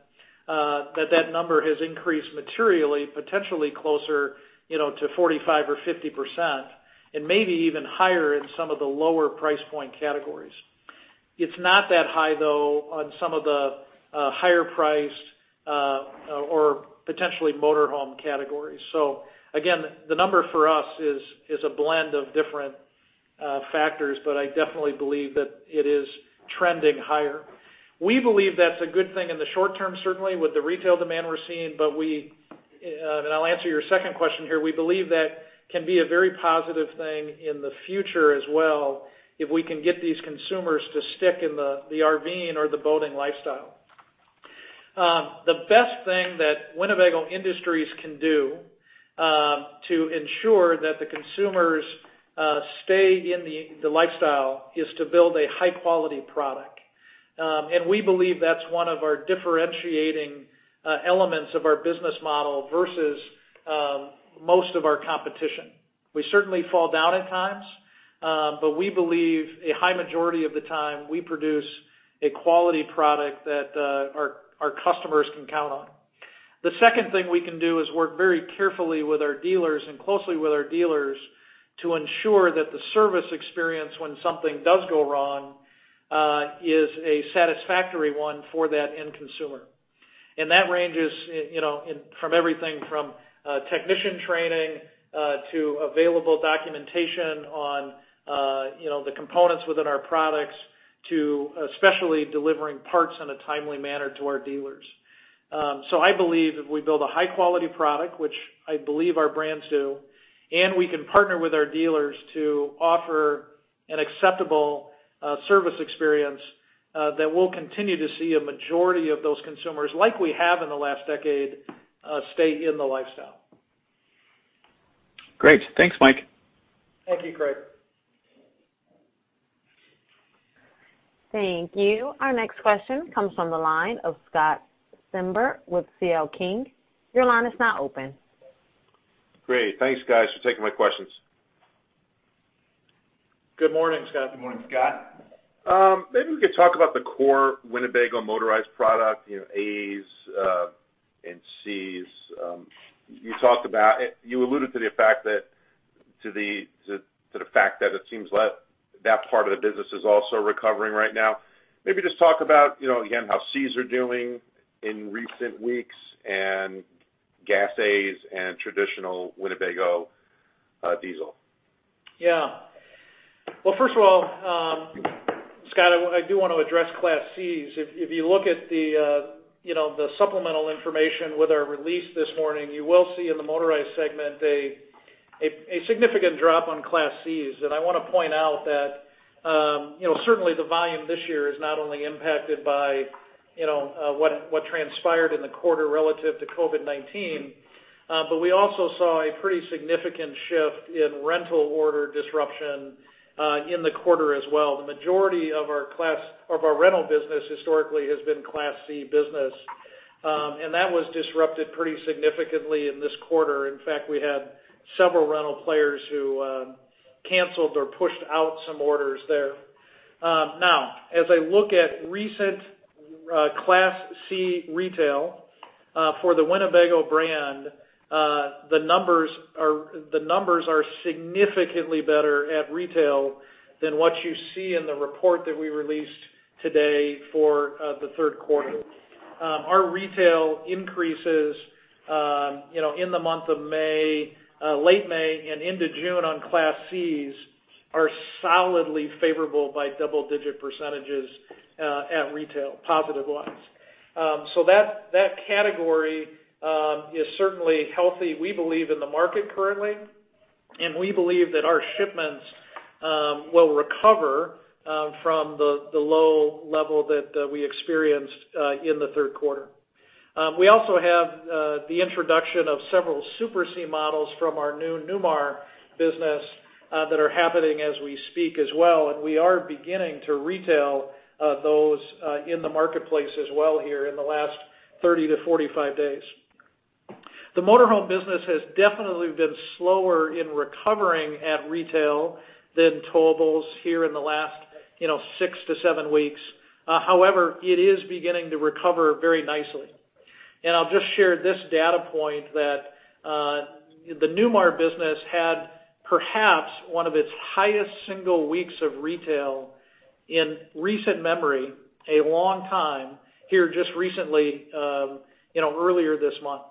that that number has increased materially, potentially closer to 45% or 50% and maybe even higher in some of the lower price point categories. It's not that high, though, on some of the higher-priced or potentially motorhome categories. So again, the number for us is a blend of different factors, but I definitely believe that it is trending higher. We believe that's a good thing in the short term, certainly with the retail demand we're seeing, but I'll answer your second question here. We believe that can be a very positive thing in the future as well if we can get these consumers to stick in the RVing or the boating lifestyle. The best thing that Winnebago Industries can do to ensure that the consumers stay in the lifestyle is to build a high-quality product, and we believe that's one of our differentiating elements of our business model versus most of our competition. We certainly fall down at times, but we believe a high majority of the time we produce a quality product that our customers can count on. The second thing we can do is work very carefully with our dealers and closely with our dealers to ensure that the service experience when something does go wrong is a satisfactory one for that end consumer. And that ranges from everything from technician training to available documentation on the components within our products to especially delivering parts in a timely manner to our dealers. So I believe if we build a high-quality product, which I believe our brands do, and we can partner with our dealers to offer an acceptable service experience that we'll continue to see a majority of those consumers, like we have in the last decade, stay in the lifestyle. Great. Thanks, Mike. Thank you, Craig. Thank you. Our next question comes from the line of Scott Stember with C.L. King. Your line is now open. Great. Thanks, guys, for taking my questions. Good morning, Scott. Good morning, Scott. Maybe we could talk about the core Winnebago motorized product, A's and C's. You talked about, you alluded to the fact that it seems that part of the business is also recovering right now. Maybe just talk about, again, how Cs are doing in recent weeks and Gas As and traditional Winnebago diesel? Yeah. Well, first of all, Scott, I do want to address Class Cs. If you look at the supplemental information with our release this morning, you will see in the motorized segment a significant drop on Class Cs. And I want to point out that certainly the volume this year is not only impacted by what transpired in the quarter relative to COVID-19, but we also saw a pretty significant shift in rental order disruption in the quarter as well. The majority of our rental business historically has been Class C business, and that was disrupted pretty significantly in this quarter. In fact, we had several rental players who canceled or pushed out some orders there. Now, as I look at recent Class C retail for the Winnebago brand, the numbers are significantly better at retail than what you see in the report that we released today for the third quarter. Our retail increases in the month of May, late May, and into June on Class Cs are solidly favorable by double-digit percentages at retail, positive-wise. So that category is certainly healthy, we believe, in the market currently, and we believe that our shipments will recover from the low level that we experienced in the third quarter. We also have the introduction of several Super C models from our new Newmar business that are happening as we speak as well, and we are beginning to retail those in the marketplace as well here in the last 30 to 45 days. The motorhome business has definitely been slower in recovering at retail than towables here in the last six to seven weeks. However, it is beginning to recover very nicely, and I'll just share this data point that the Newmar business had perhaps one of its highest single weeks of retail in recent memory, a long time here just recently, earlier this month.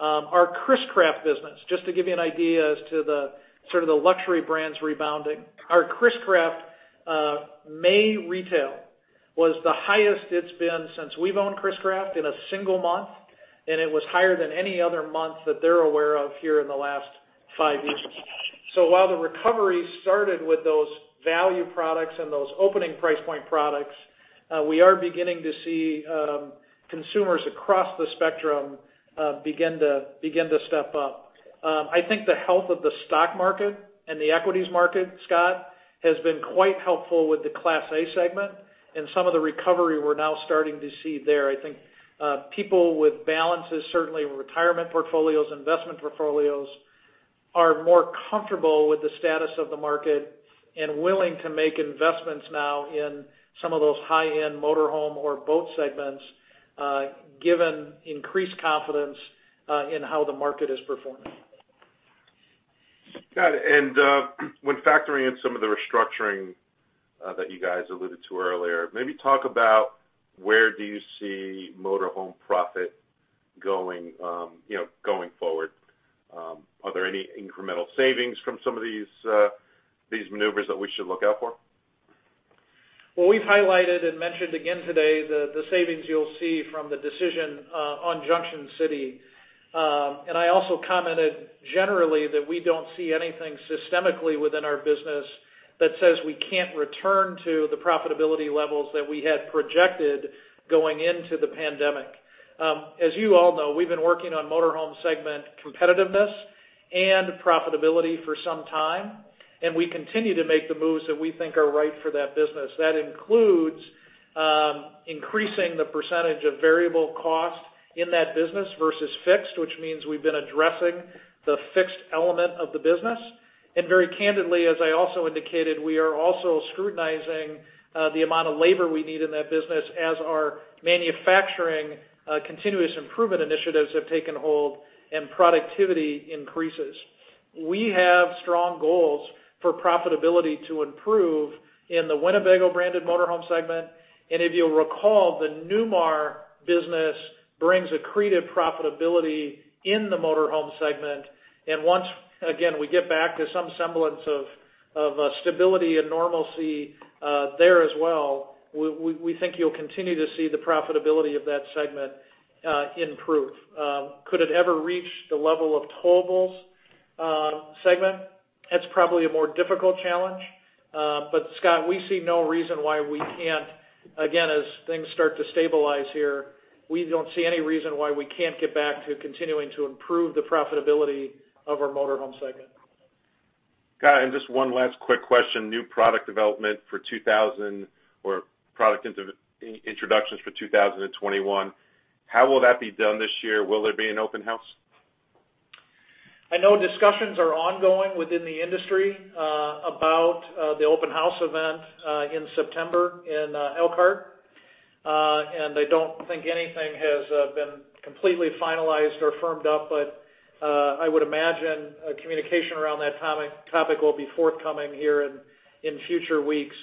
Our Chris-Craft business, just to give you an idea as to sort of the luxury brands rebounding, our Chris-Craft May retail was the highest it's been since we've owned Chris-Craft in a single month, and it was higher than any other month that they're aware of here in the last five years. While the recovery started with those value products and those opening price point products, we are beginning to see consumers across the spectrum begin to step up. I think the health of the stock market and the equities market, Scott, has been quite helpful with the Class A segment, and some of the recovery we're now starting to see there. I think people with balances, certainly retirement portfolios, investment portfolios, are more comfortable with the status of the market and willing to make investments now in some of those high-end motorhome or boat segments given increased confidence in how the market is performing. Got it. And when factoring in some of the restructuring that you guys alluded to earlier, maybe talk about where do you see motorhome profit going forward? Are there any incremental savings from some of these maneuvers that we should look out for? We've highlighted and mentioned again today the savings you'll see from the decision on Junction City. I also commented generally that we don't see anything systemically within our business that says we can't return to the profitability levels that we had projected going into the pandemic. As you all know, we've been working on Motorhome Segment competitiveness and profitability for some time, and we continue to make the moves that we think are right for that business. That includes increasing the percentage of variable cost in that business versus fixed, which means we've been addressing the fixed element of the business. Very candidly, as I also indicated, we are also scrutinizing the amount of labor we need in that business as our manufacturing continuous improvement initiatives have taken hold and productivity increases. We have strong goals for profitability to improve in the Winnebago-branded Motorhome Segment. If you'll recall, the Newmar business brings accretive profitability in the Motorhome Segment. And once again, we get back to some semblance of stability and normalcy there as well, we think you'll continue to see the profitability of that segment improve. Could it ever reach the level of Towables Segment? That's probably a more difficult challenge. But Scott, we see no reason why we can't, again, as things start to stabilize here, we don't see any reason why we can't get back to continuing to improve the profitability of our Motorhome Segment. Got it. And just one last quick question. New product development for or product introductions for 2021, how will that be done this year? Will there be an open house? I know discussions are ongoing within the industry about the Open House event in September in Elkhart, and I don't think anything has been completely finalized or firmed up, but I would imagine communication around that topic will be forthcoming here in future weeks.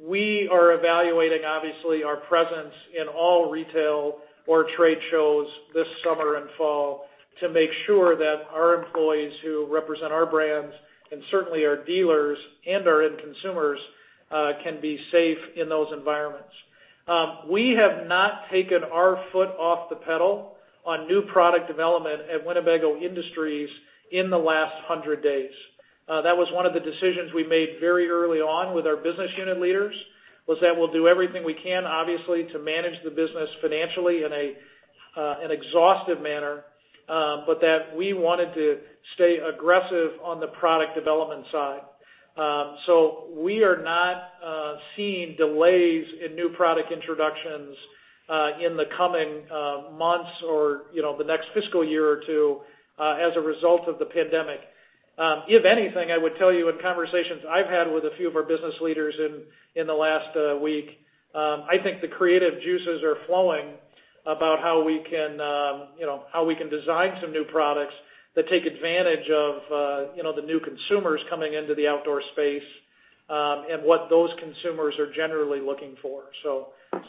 We are evaluating, obviously, our presence in all retail or trade shows this summer and fall to make sure that our employees who represent our brands and certainly our dealers and our end consumers can be safe in those environments. We have not taken our foot off the pedal on new product development at Winnebago Industries in the last 100 days. That was one of the decisions we made very early on with our business unit leaders, was that we'll do everything we can, obviously, to manage the business financially in an exhaustive manner, but that we wanted to stay aggressive on the product development side. So we are not seeing delays in new product introductions in the coming months or the next fiscal year or two as a result of the pandemic. If anything, I would tell you in conversations I've had with a few of our business leaders in the last week, I think the creative juices are flowing about how we can design some new products that take advantage of the new consumers coming into the outdoor space and what those consumers are generally looking for. So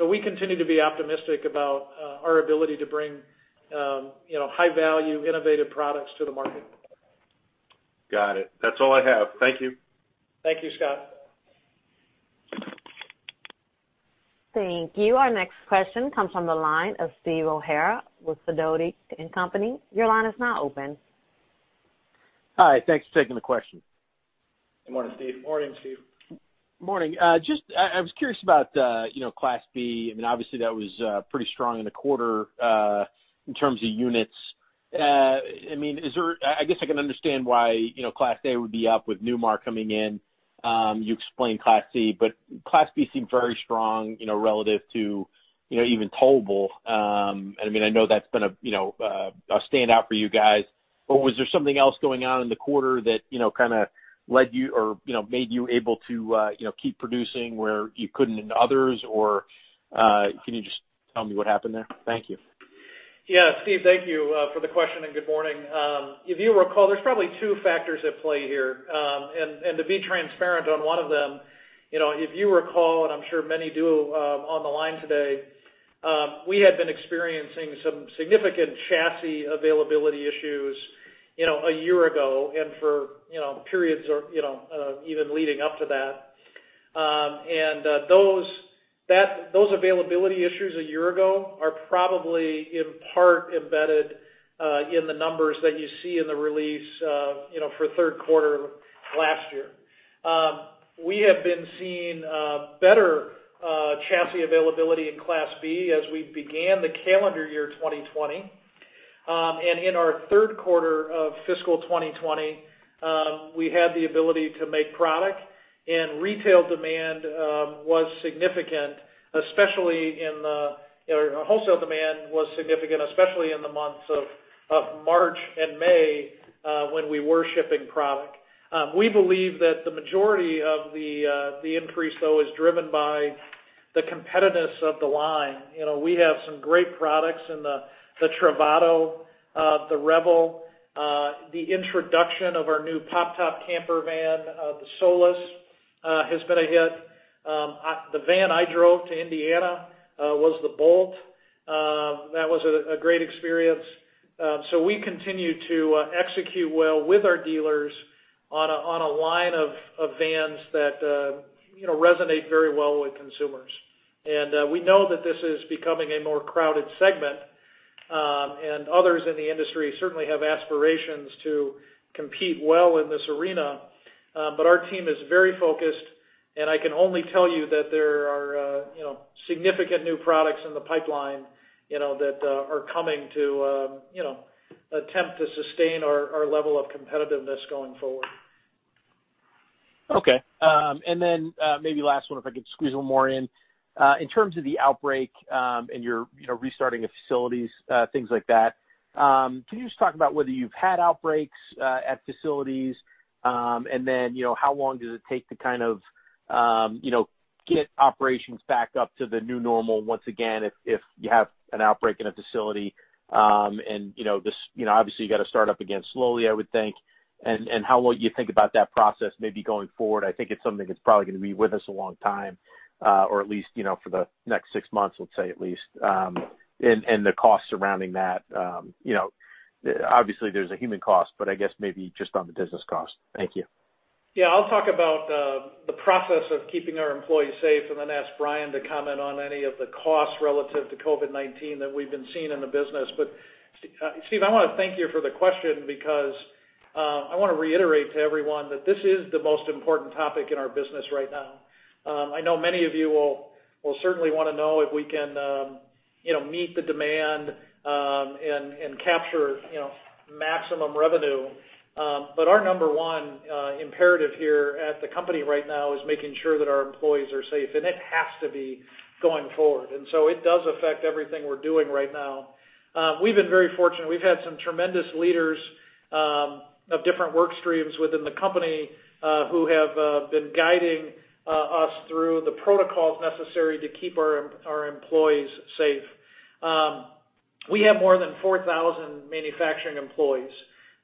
we continue to be optimistic about our ability to bring high-value, innovative products to the market. Got it. That's all I have. Thank you. Thank you, Scott. Thank you. Our next question comes from the line of Steve O'Hara with Sidoti & Company. Your line is now open. Hi. Thanks for taking the question. Good morning, Steve. Morning, Steve. Morning. I was curious about Class B. I mean, obviously, that was pretty strong in the quarter in terms of units. I mean, I guess I can understand why Class A would be up with Newmar coming in. You explained Class C, but Class B seemed very strong relative to even towables. And I mean, I know that's been a standout for you guys, but was there something else going on in the quarter that kind of led you or made you able to keep producing where you couldn't in others? Or can you just tell me what happened there? Thank you. Yeah. Steve, thank you for the question and good morning. If you recall, there's probably two factors at play here. And to be transparent on one of them, if you recall, and I'm sure many do on the line today, we had been experiencing some significant chassis availability issues a year ago and for periods even leading up to that. And those availability issues a year ago are probably in part embedded in the numbers that you see in the release for third quarter last year. We have been seeing better chassis availability in Class B as we began the calendar year 2020. And in our third quarter of fiscal 2020, we had the ability to make product, and retail demand was significant, especially in the wholesale demand was significant, especially in the months of March and May when we were shipping product. We believe that the majority of the increase, though, is driven by the competitiveness of the line. We have some great products in the Travato, the Revel, the introduction of our new pop-top camper van, the Solis, has been a hit. The van I drove to Indiana was the Boldt. That was a great experience. So we continue to execute well with our dealers on a line of vans that resonate very well with consumers. And we know that this is becoming a more crowded segment, and others in the industry certainly have aspirations to compete well in this arena. But our team is very focused, and I can only tell you that there are significant new products in the pipeline that are coming to attempt to sustain our level of competitiveness going forward. Okay. And then maybe last one, if I could squeeze one more in. In terms of the outbreak and your restarting of facilities, things like that, can you just talk about whether you've had outbreaks at facilities? And then how long does it take to kind of get operations back up to the new normal once again if you have an outbreak in a facility? And obviously, you got to start up again slowly, I would think. And how long do you think about that process maybe going forward? I think it's something that's probably going to be with us a long time, or at least for the next six months, let's say at least, and the costs surrounding that. Obviously, there's a human cost, but I guess maybe just on the business cost. Thank you. Yeah. I'll talk about the process of keeping our employees safe and then ask Bryan to comment on any of the costs relative to COVID-19 that we've been seeing in the business. But Steve, I want to thank you for the question because I want to reiterate to everyone that this is the most important topic in our business right now. I know many of you will certainly want to know if we can meet the demand and capture maximum revenue. But our number one imperative here at the company right now is making sure that our employees are safe, and it has to be going forward. So it does affect everything we're doing right now. We've been very fortunate. We've had some tremendous leaders of different work streams within the company who have been guiding us through the protocols necessary to keep our employees safe. We have more than 4,000 manufacturing employees.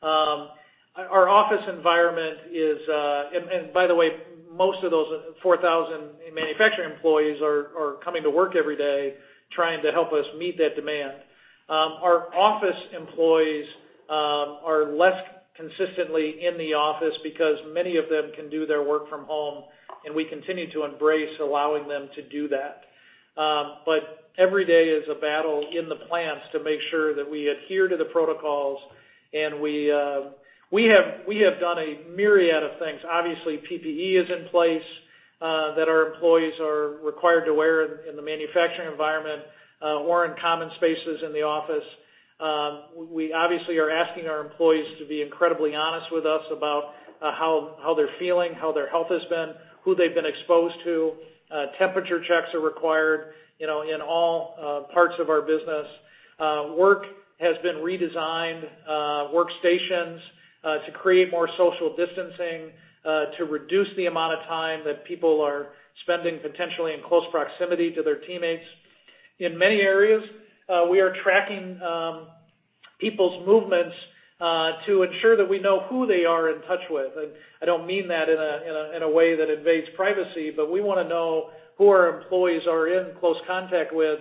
Our office environment is, and by the way, most of those 4,000 manufacturing employees are coming to work every day trying to help us meet that demand. Our office employees are less consistently in the office because many of them can do their work from home, and we continue to embrace allowing them to do that. But every day is a battle in the plants to make sure that we adhere to the protocols, and we have done a myriad of things. Obviously, PPE is in place that our employees are required to wear in the manufacturing environment or in common spaces in the office. We obviously are asking our employees to be incredibly honest with us about how they're feeling, how their health has been, who they've been exposed to. Temperature checks are required in all parts of our business. Work has been redesigned, workstations to create more social distancing, to reduce the amount of time that people are spending potentially in close proximity to their teammates. In many areas, we are tracking people's movements to ensure that we know who they are in touch with. And I don't mean that in a way that invades privacy, but we want to know who our employees are in close contact with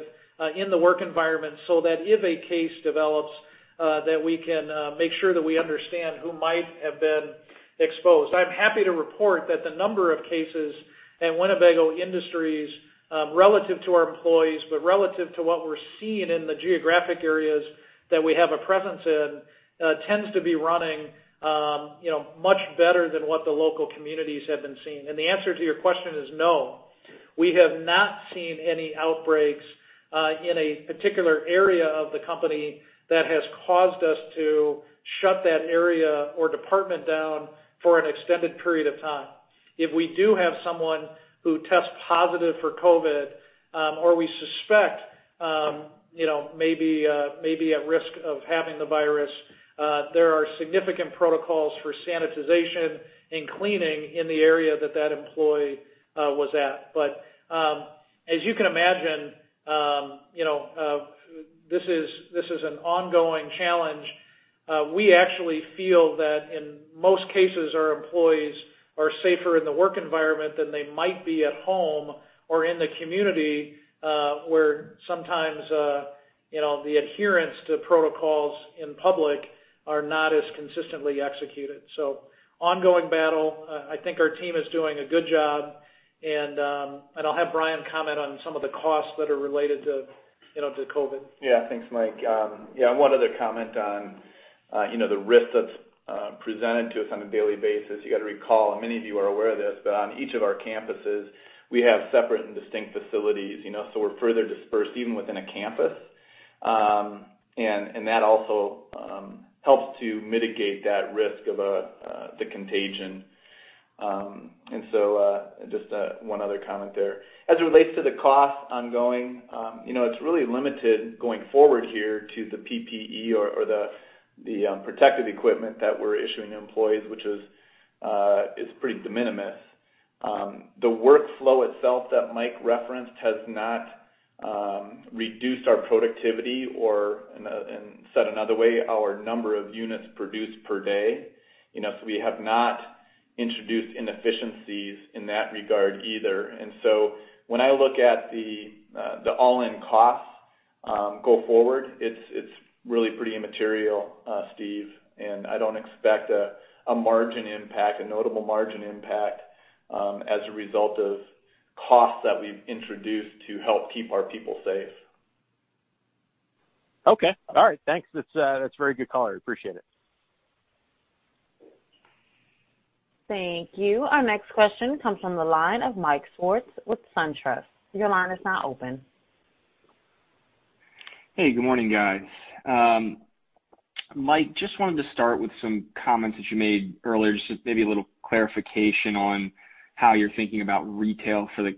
in the work environment so that if a case develops, that we can make sure that we understand who might have been exposed. I'm happy to report that the number of cases at Winnebago Industries relative to our employees, but relative to what we're seeing in the geographic areas that we have a presence in, tends to be running much better than what the local communities have been seeing. And the answer to your question is no. We have not seen any outbreaks in a particular area of the company that has caused us to shut that area or department down for an extended period of time. If we do have someone who tests positive for COVID or we suspect maybe at risk of having the virus, there are significant protocols for sanitization and cleaning in the area that that employee was at. But as you can imagine, this is an ongoing challenge. We actually feel that in most cases, our employees are safer in the work environment than they might be at home or in the community where sometimes the adherence to protocols in public are not as consistently executed. So ongoing battle. I think our team is doing a good job, and I'll have Bryan comment on some of the costs that are related to COVID. Yeah. Thanks, Mike. Yeah. One other comment on the risk that's presented to us on a daily basis. You got to recall, and many of you are aware of this, but on each of our campuses, we have separate and distinct facilities. So we're further dispersed even within a campus. And that also helps to mitigate that risk of the contagion. And so just one other comment there. As it relates to the costs ongoing, it's really limited going forward here to the PPE or the protective equipment that we're issuing to employees, which is pretty de minimis. The workflow itself that Mike referenced has not reduced our productivity or, said another way, our number of units produced per day. So we have not introduced inefficiencies in that regard either. And so when I look at the all-in costs going forward, it's really pretty immaterial, Steve. I don't expect a margin impact, a notable margin impact as a result of costs that we've introduced to help keep our people safe. Okay. All right. Thanks. That's very good color. I appreciate it. Thank you. Our next question comes from the line of Mike Swartz with SunTrust. Your line is now open. Hey, good morning, guys. Mike, just wanted to start with some comments that you made earlier, just maybe a little clarification on how you're thinking about retail for the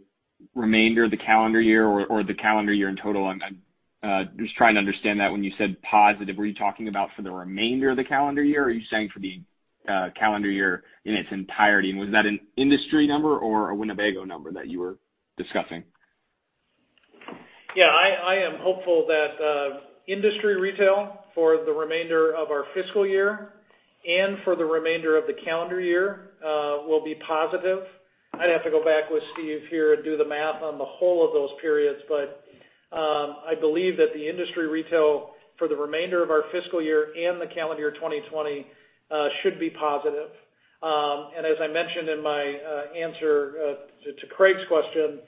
remainder of the calendar year or the calendar year in total. I'm just trying to understand that when you said positive, were you talking about for the remainder of the calendar year or are you saying for the calendar year in its entirety? And was that an industry number or a Winnebago number that you were discussing? Yeah. I am hopeful that industry retail for the remainder of our fiscal year and for the remainder of the calendar year will be positive. I'd have to go back with Steve here and do the math on the whole of those periods, but I believe that the industry retail for the remainder of our fiscal year and the calendar year 2020 should be positive. And as I mentioned in my answer to Craig's question,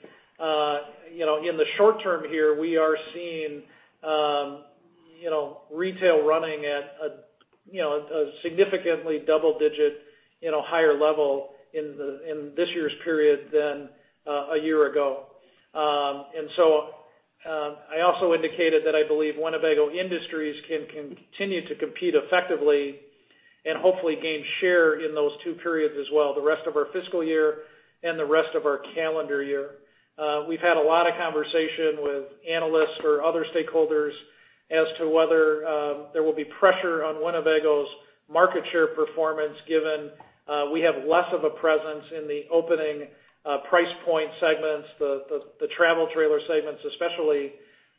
in the short term here, we are seeing retail running at a significantly double-digit higher level in this year's period than a year ago. And so I also indicated that I believe Winnebago Industries can continue to compete effectively and hopefully gain share in those two periods as well, the rest of our fiscal year and the rest of our calendar year. We've had a lot of conversation with analysts or other stakeholders as to whether there will be pressure on Winnebago's market share performance given we have less of a presence in the opening price point segments, the travel trailer segments especially.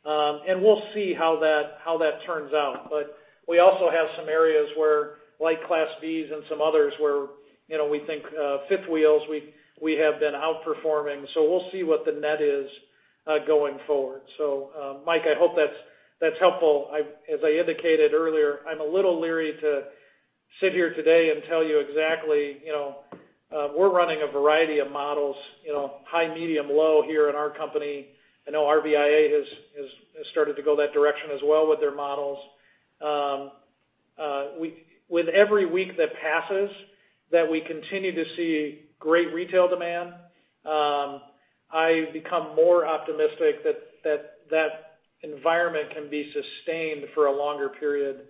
And we'll see how that turns out. But we also have some areas where like Class Bs and some others where we think fifth wheels we have been outperforming. So we'll see what the net is going forward. So Mike, I hope that's helpful. As I indicated earlier, I'm a little leery to sit here today and tell you exactly we're running a variety of models, high, medium, low here in our company. I know RVIA has started to go that direction as well with their models. With every week that passes that we continue to see great retail demand, I become more optimistic that that environment can be sustained for a longer period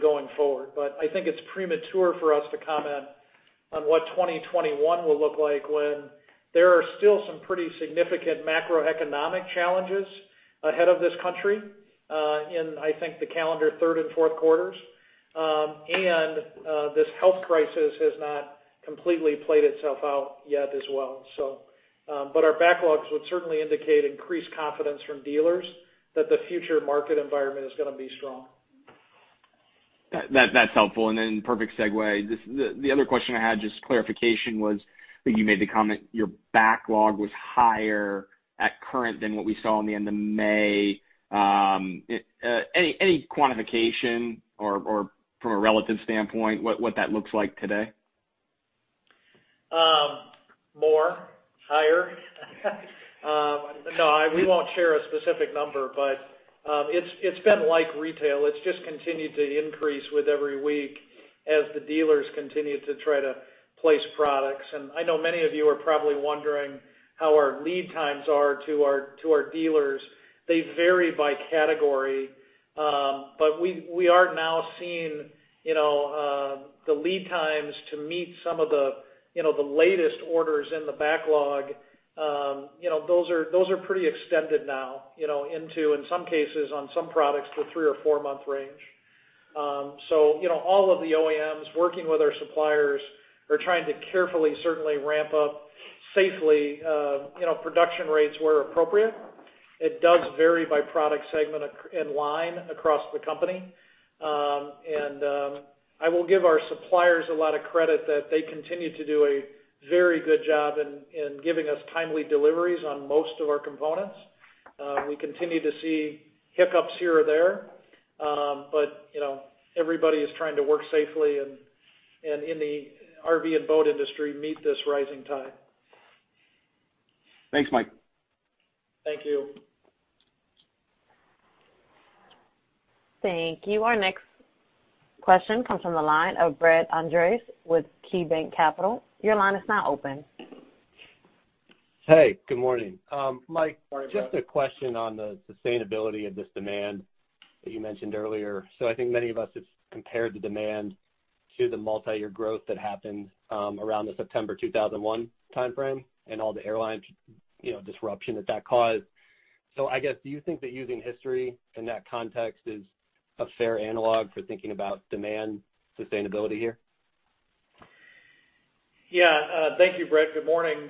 going forward. But I think it's premature for us to comment on what 2021 will look like when there are still some pretty significant macroeconomic challenges ahead of this country in, I think, the calendar third and fourth quarters. And this health crisis has not completely played itself out yet as well. But our backlogs would certainly indicate increased confidence from dealers that the future market environment is going to be strong. That's helpful. And then perfect segue, the other question I had, just clarification was that you made the comment your backlog was higher at current than what we saw in the end of May. Any quantification or from a relative standpoint what that looks like today? More. Higher. No, we won't share a specific number, but it's been like retail. It's just continued to increase with every week as the dealers continue to try to place products. And I know many of you are probably wondering how our lead times are to our dealers. They vary by category. But we are now seeing the lead times to meet some of the latest orders in the backlog. Those are pretty extended now into, in some cases, on some products, the three or four month range. So all of the OEMs working with our suppliers are trying to carefully certainly ramp up safely production rates where appropriate. It does vary by product segment and line across the company. And I will give our suppliers a lot of credit that they continue to do a very good job in giving us timely deliveries on most of our components. We continue to see hiccups here or there, but everybody is trying to work safely, and in the RV and boat industry meet this rising tide. Thanks, Mike. Thank you. Thank you. Our next question comes from the line of Brett Andress with KeyBanc Capital. Your line is now open. Hey, good morning. Mike, just a question on the sustainability of this demand that you mentioned earlier. So I think many of us have compared the demand to the multi-year growth that happened around the September 2001 timeframe and all the airline disruption that that caused. So I guess, do you think that using history in that context is a fair analog for thinking about demand sustainability here? Yeah. Thank you, Brett. Good morning.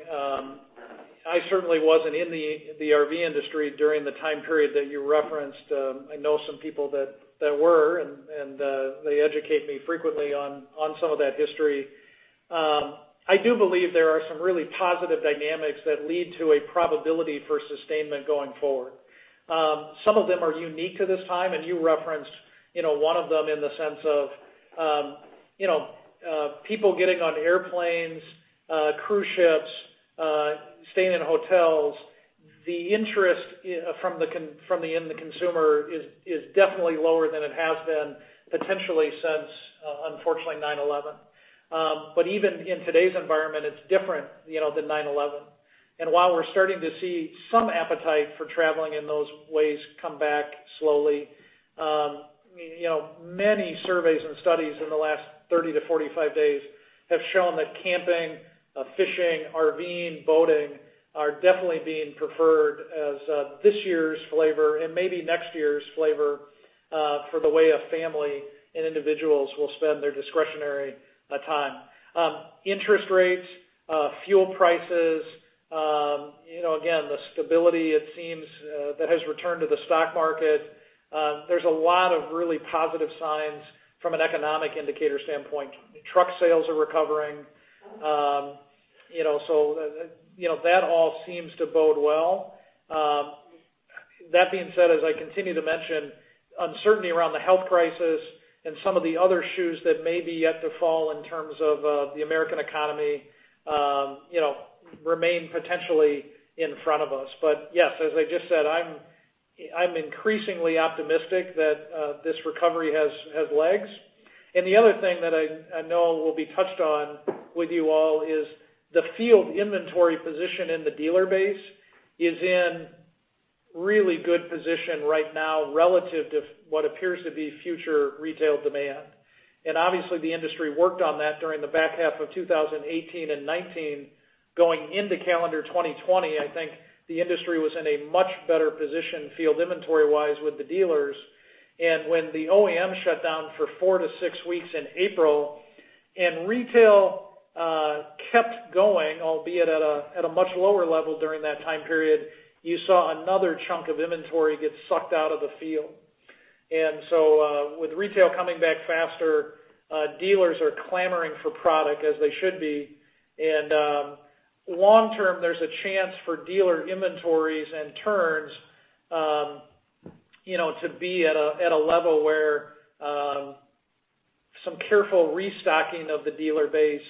I certainly wasn't in the RV industry during the time period that you referenced. I know some people that were, and they educate me frequently on some of that history. I do believe there are some really positive dynamics that lead to a probability for sustainment going forward. Some of them are unique to this time, and you referenced one of them in the sense of people getting on airplanes, cruise ships, staying in hotels. The interest from the end consumer is definitely lower than it has been potentially since, unfortunately, 9/11. But even in today's environment, it's different than 9/11. And while we're starting to see some appetite for traveling in those ways come back slowly, many surveys and studies in the last 30-45 days have shown that camping, fishing, RVing, boating are definitely being preferred as this year's flavor and maybe next year's flavor for the way a family and individuals will spend their discretionary time. Interest rates, fuel prices, again, the stability it seems that has returned to the stock market. There's a lot of really positive signs from an economic indicator standpoint. Truck sales are recovering. So that all seems to bode well. That being said, as I continue to mention, uncertainty around the health crisis and some of the other shoes that may be yet to fall in terms of the American economy remain potentially in front of us. But yes, as I just said, I'm increasingly optimistic that this recovery has legs. And the other thing that I know we'll be touched on with you all is the field inventory position in the dealer base is in really good position right now relative to what appears to be future retail demand. And obviously, the industry worked on that during the back half of 2018 and 2019. Going into calendar 2020, I think the industry was in a much better position field inventory-wise with the dealers. And when the OEM shut down for four to six weeks in April and retail kept going, albeit at a much lower level during that time period, you saw another chunk of inventory get sucked out of the field. And so with retail coming back faster, dealers are clamoring for product as they should be. And long term, there's a chance for dealer inventories and turns to be at a level where some careful restocking of the dealer base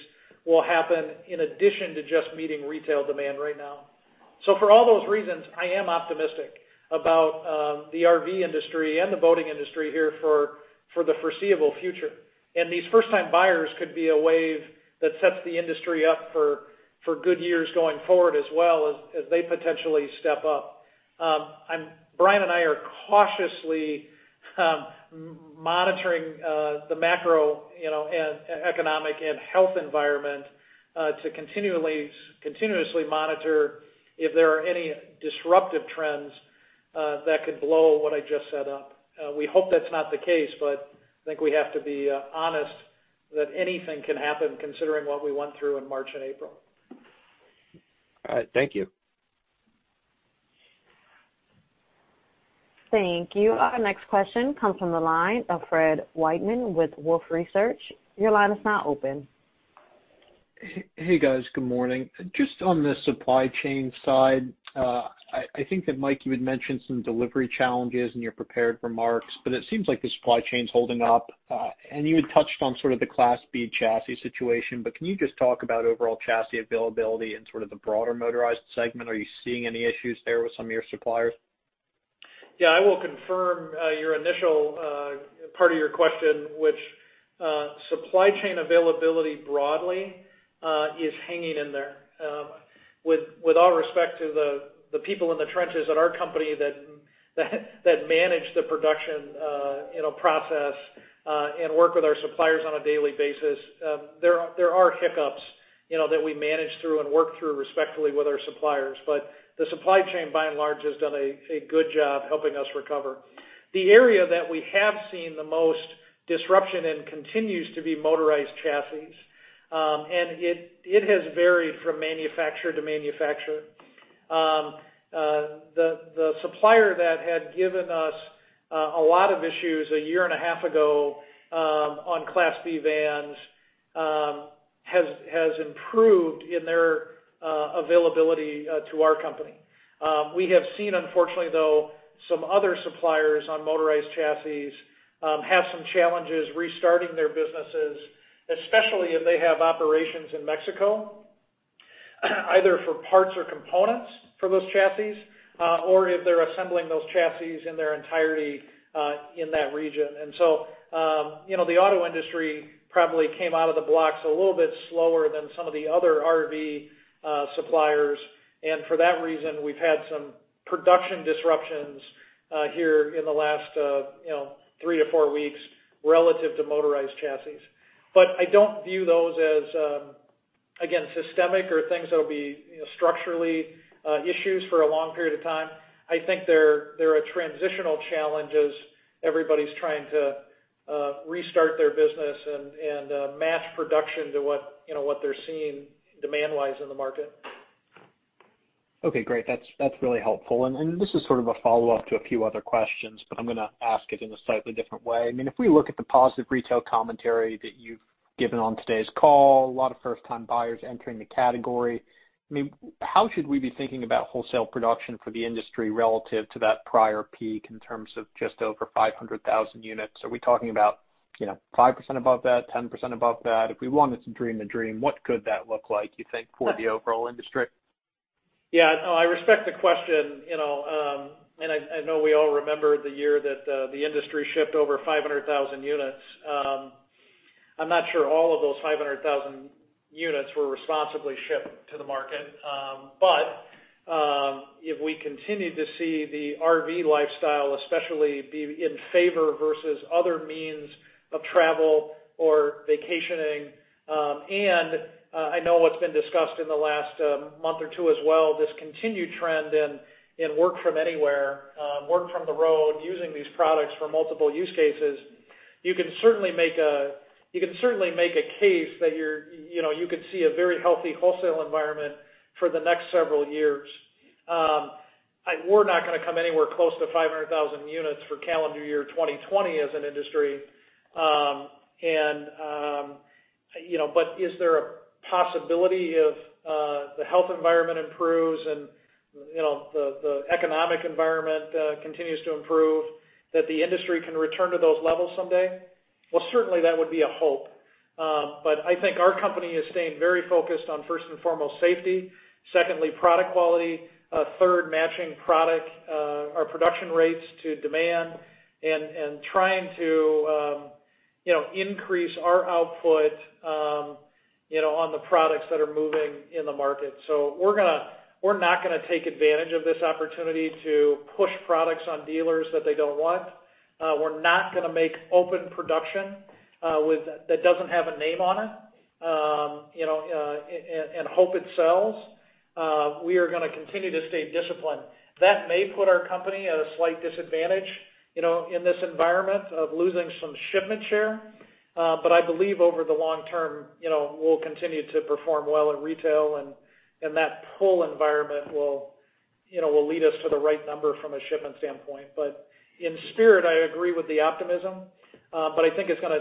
will happen in addition to just meeting retail demand right now. So for all those reasons, I am optimistic about the RV industry and the boating industry here for the foreseeable future. And these first-time buyers could be a wave that sets the industry up for good years going forward as well as they potentially step up. Bryan and I are cautiously monitoring the macroeconomic and health environment to continuously monitor if there are any disruptive trends that could blow what I just set up. We hope that's not the case, but I think we have to be honest that anything can happen considering what we went through in March and April. All right. Thank you. Thank you. Our next question comes from the line of Fred Wightman with Wolfe Research. Your line is now open. Hey, guys. Good morning. Just on the supply chain side, I think that Mike, you had mentioned some delivery challenges and you're prepared remarks, but it seems like the supply chain's holding up. And you had touched on sort of the Class B chassis situation, but can you just talk about overall chassis availability and sort of the broader motorized segment? Are you seeing any issues there with some of your suppliers? Yeah. I will confirm your initial part of your question, which, supply chain availability broadly, is hanging in there. With all respect to the people in the trenches at our company that manage the production process and work with our suppliers on a daily basis, there are hiccups that we manage through and work through respectfully with our suppliers. But the supply chain, by and large, has done a good job helping us recover. The area that we have seen the most disruption in continues to be motorized chassis. And it has varied from manufacturer to manufacturer. The supplier that had given us a lot of issues a year and a half ago on Class B vans has improved in their availability to our company. We have seen, unfortunately, though, some other suppliers on motorized chassis have some challenges restarting their businesses, especially if they have operations in Mexico, either for parts or components for those chassis or if they're assembling those chassis in their entirety in that region. And so the auto industry probably came out of the blocks a little bit slower than some of the other RV suppliers. And for that reason, we've had some production disruptions here in the last three to four weeks relative to motorized chassis. But I don't view those as, again, systemic or things that will be structurally issues for a long period of time. I think there are transitional challenges. Everybody's trying to restart their business and match production to what they're seeing demand-wise in the market. Okay. Great. That's really helpful. And this is sort of a follow-up to a few other questions, but I'm going to ask it in a slightly different way. I mean, if we look at the positive retail commentary that you've given on today's call, a lot of first-time buyers entering the category. I mean, how should we be thinking about wholesale production for the industry relative to that prior peak in terms of just over 500,000 units? Are we talking about 5% above that, 10% above that? If we wanted to dream a dream, what could that look like, you think, for the overall industry? Yeah. I respect the question. And I know we all remember the year that the industry shipped over 500,000 units. I'm not sure all of those 500,000 units were responsibly shipped to the market. But if we continue to see the RV lifestyle, especially be in favor versus other means of travel or vacationing, and I know what's been discussed in the last month or two as well, this continued trend in work from anywhere, work from the road, using these products for multiple use cases, you can certainly make a case that you can see a very healthy wholesale environment for the next several years. We're not going to come anywhere close to 500,000 units for calendar year 2020 as an industry. But is there a possibility if the health environment improves and the economic environment continues to improve that the industry can return to those levels someday? Well, certainly, that would be a hope. But I think our company is staying very focused on first and foremost safety, secondly, product quality, third, matching product or production rates to demand, and trying to increase our output on the products that are moving in the market. So we're not going to take advantage of this opportunity to push products on dealers that they don't want. We're not going to make open production that doesn't have a name on it and hope it sells. We are going to continue to stay disciplined. That may put our company at a slight disadvantage in this environment of losing some shipment share. But I believe over the long-term, we'll continue to perform well in retail, and that pull environment will lead us to the right number from a shipment standpoint. But in spirit, I agree with the optimism. But I think it's going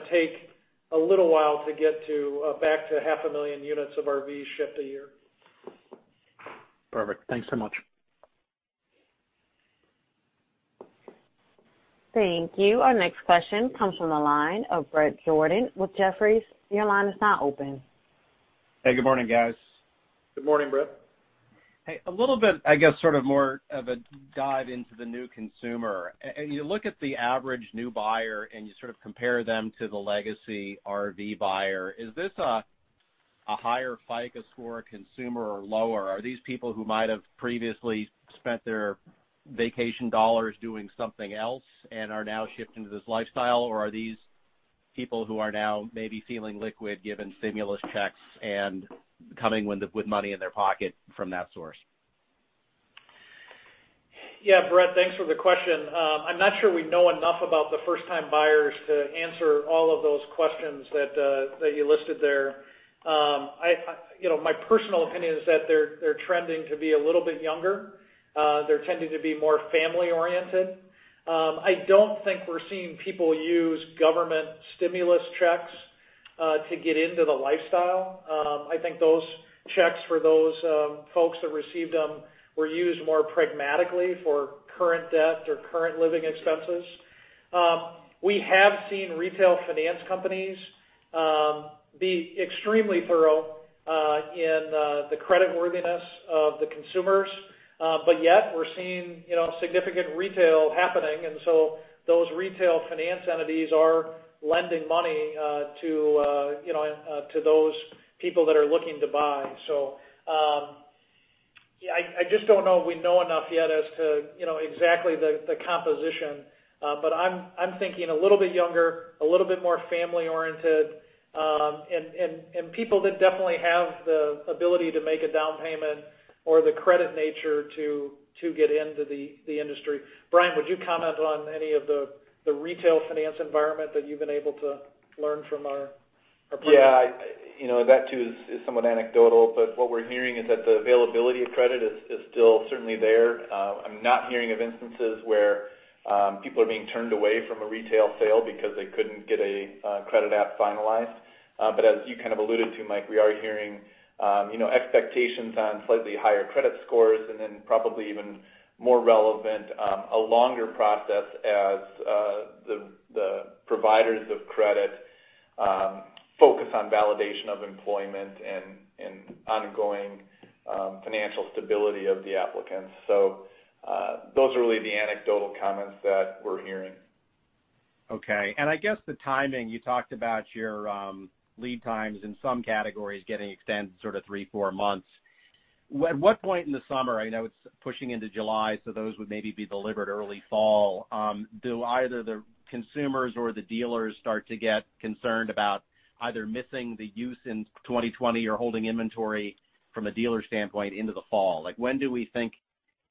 to take a little while to get back to 500,000 units of RV shipped a year. Perfect. Thanks so much. Thank you. Our next question comes from the line of Bret Jordan with Jefferies. Your line is now open. Hey, good morning, guys. Good morning, Brett. Hey, a little bit, I guess, sort of more of a dive into the new consumer. You look at the average new buyer and you sort of compare them to the legacy RV buyer. Is this a higher FICO score consumer or lower? Are these people who might have previously spent their vacation dollars doing something else and are now shifting to this lifestyle, or are these people who are now maybe feeling liquid given stimulus checks and coming with money in their pocket from that source? Yeah, Brett. Thanks for the question. I'm not sure we know enough about the first-time buyers to answer all of those questions that you listed there. My personal opinion is that they're trending to be a little bit younger. They're tending to be more family-oriented. I don't think we're seeing people use government stimulus checks to get into the lifestyle. I think those checks for those folks that received them were used more pragmatically for current debt or current living expenses. We have seen retail finance companies be extremely thorough in the creditworthiness of the consumers. But yet, we're seeing significant retail happening. And so those retail finance entities are lending money to those people that are looking to buy. So I just don't know if we know enough yet as to exactly the composition. But I'm thinking a little bit younger, a little bit more family-oriented, and people that definitely have the ability to make a down payment or the credit nature to get into the industry. Bryan, would you comment on any of the retail finance environment that you've been able to learn from our? Yeah. That too is somewhat anecdotal. But what we're hearing is that the availability of credit is still certainly there. I'm not hearing of instances where people are being turned away from a retail sale because they couldn't get a credit app finalized. But as you kind of alluded to, Mike, we are hearing expectations on slightly higher credit scores and then probably even more relevant, a longer process as the providers of credit focus on validation of employment and ongoing financial stability of the applicants. So those are really the anecdotal comments that we're hearing. Okay. And I guess the timing, you talked about your lead times in some categories getting extended sort of three, four months. At what point in the summer? I know it's pushing into July, so those would maybe be delivered early fall. Do either the consumers or the dealers start to get concerned about either missing the use in 2020 or holding inventory from a dealer standpoint into the fall? When do we think,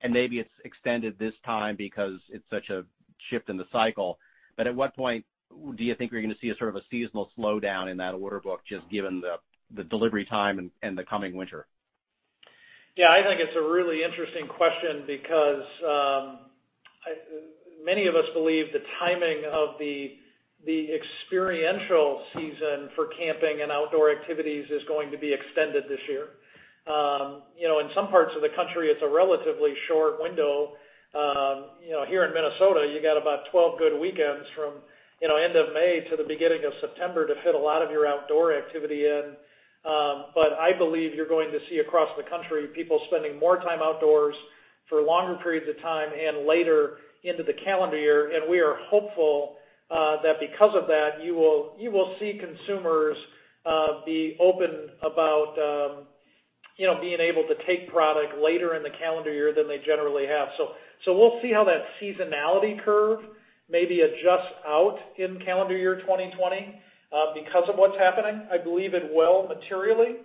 and maybe it's extended this time because it's such a shift in the cycle, but at what point do you think we're going to see sort of a seasonal slowdown in that order book just given the delivery time and the coming winter? Yeah. I think it's a really interesting question because many of us believe the timing of the experiential season for camping and outdoor activities is going to be extended this year. In some parts of the country, it's a relatively short window. Here in Minnesota, you got about 12 good weekends from end of May to the beginning of September to fit a lot of your outdoor activity in. But I believe you're going to see across the country people spending more time outdoors for longer periods of time and later into the calendar year. And we are hopeful that because of that, you will see consumers be open about being able to take product later in the calendar year than they generally have. So we'll see how that seasonality curve maybe adjusts out in calendar year 2020 because of what's happening. I believe it will materially.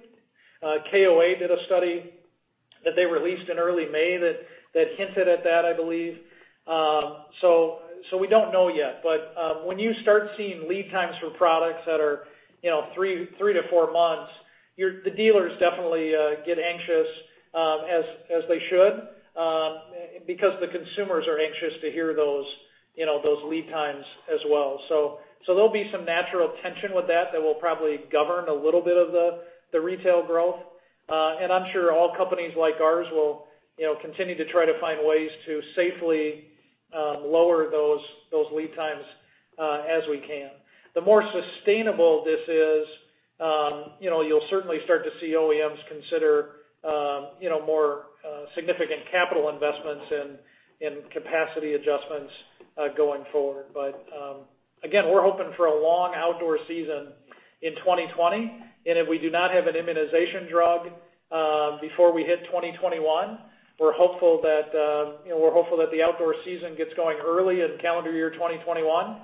KOA did a study that they released in early May that hinted at that, I believe, so we don't know yet. When you start seeing lead times for products that are three to four months, the dealers definitely get anxious as they should because the consumers are anxious to hear those lead times as well. There'll be some natural tension with that that will probably govern a little bit of the retail growth. I'm sure all companies like ours will continue to try to find ways to safely lower those lead times as we can. The more sustainable this is, you'll certainly start to see OEMs consider more significant capital investments and capacity adjustments going forward. We're hoping for a long outdoor season in 2020. If we do not have an immunization drug before we hit 2021, we're hopeful that the outdoor season gets going early in calendar year 2021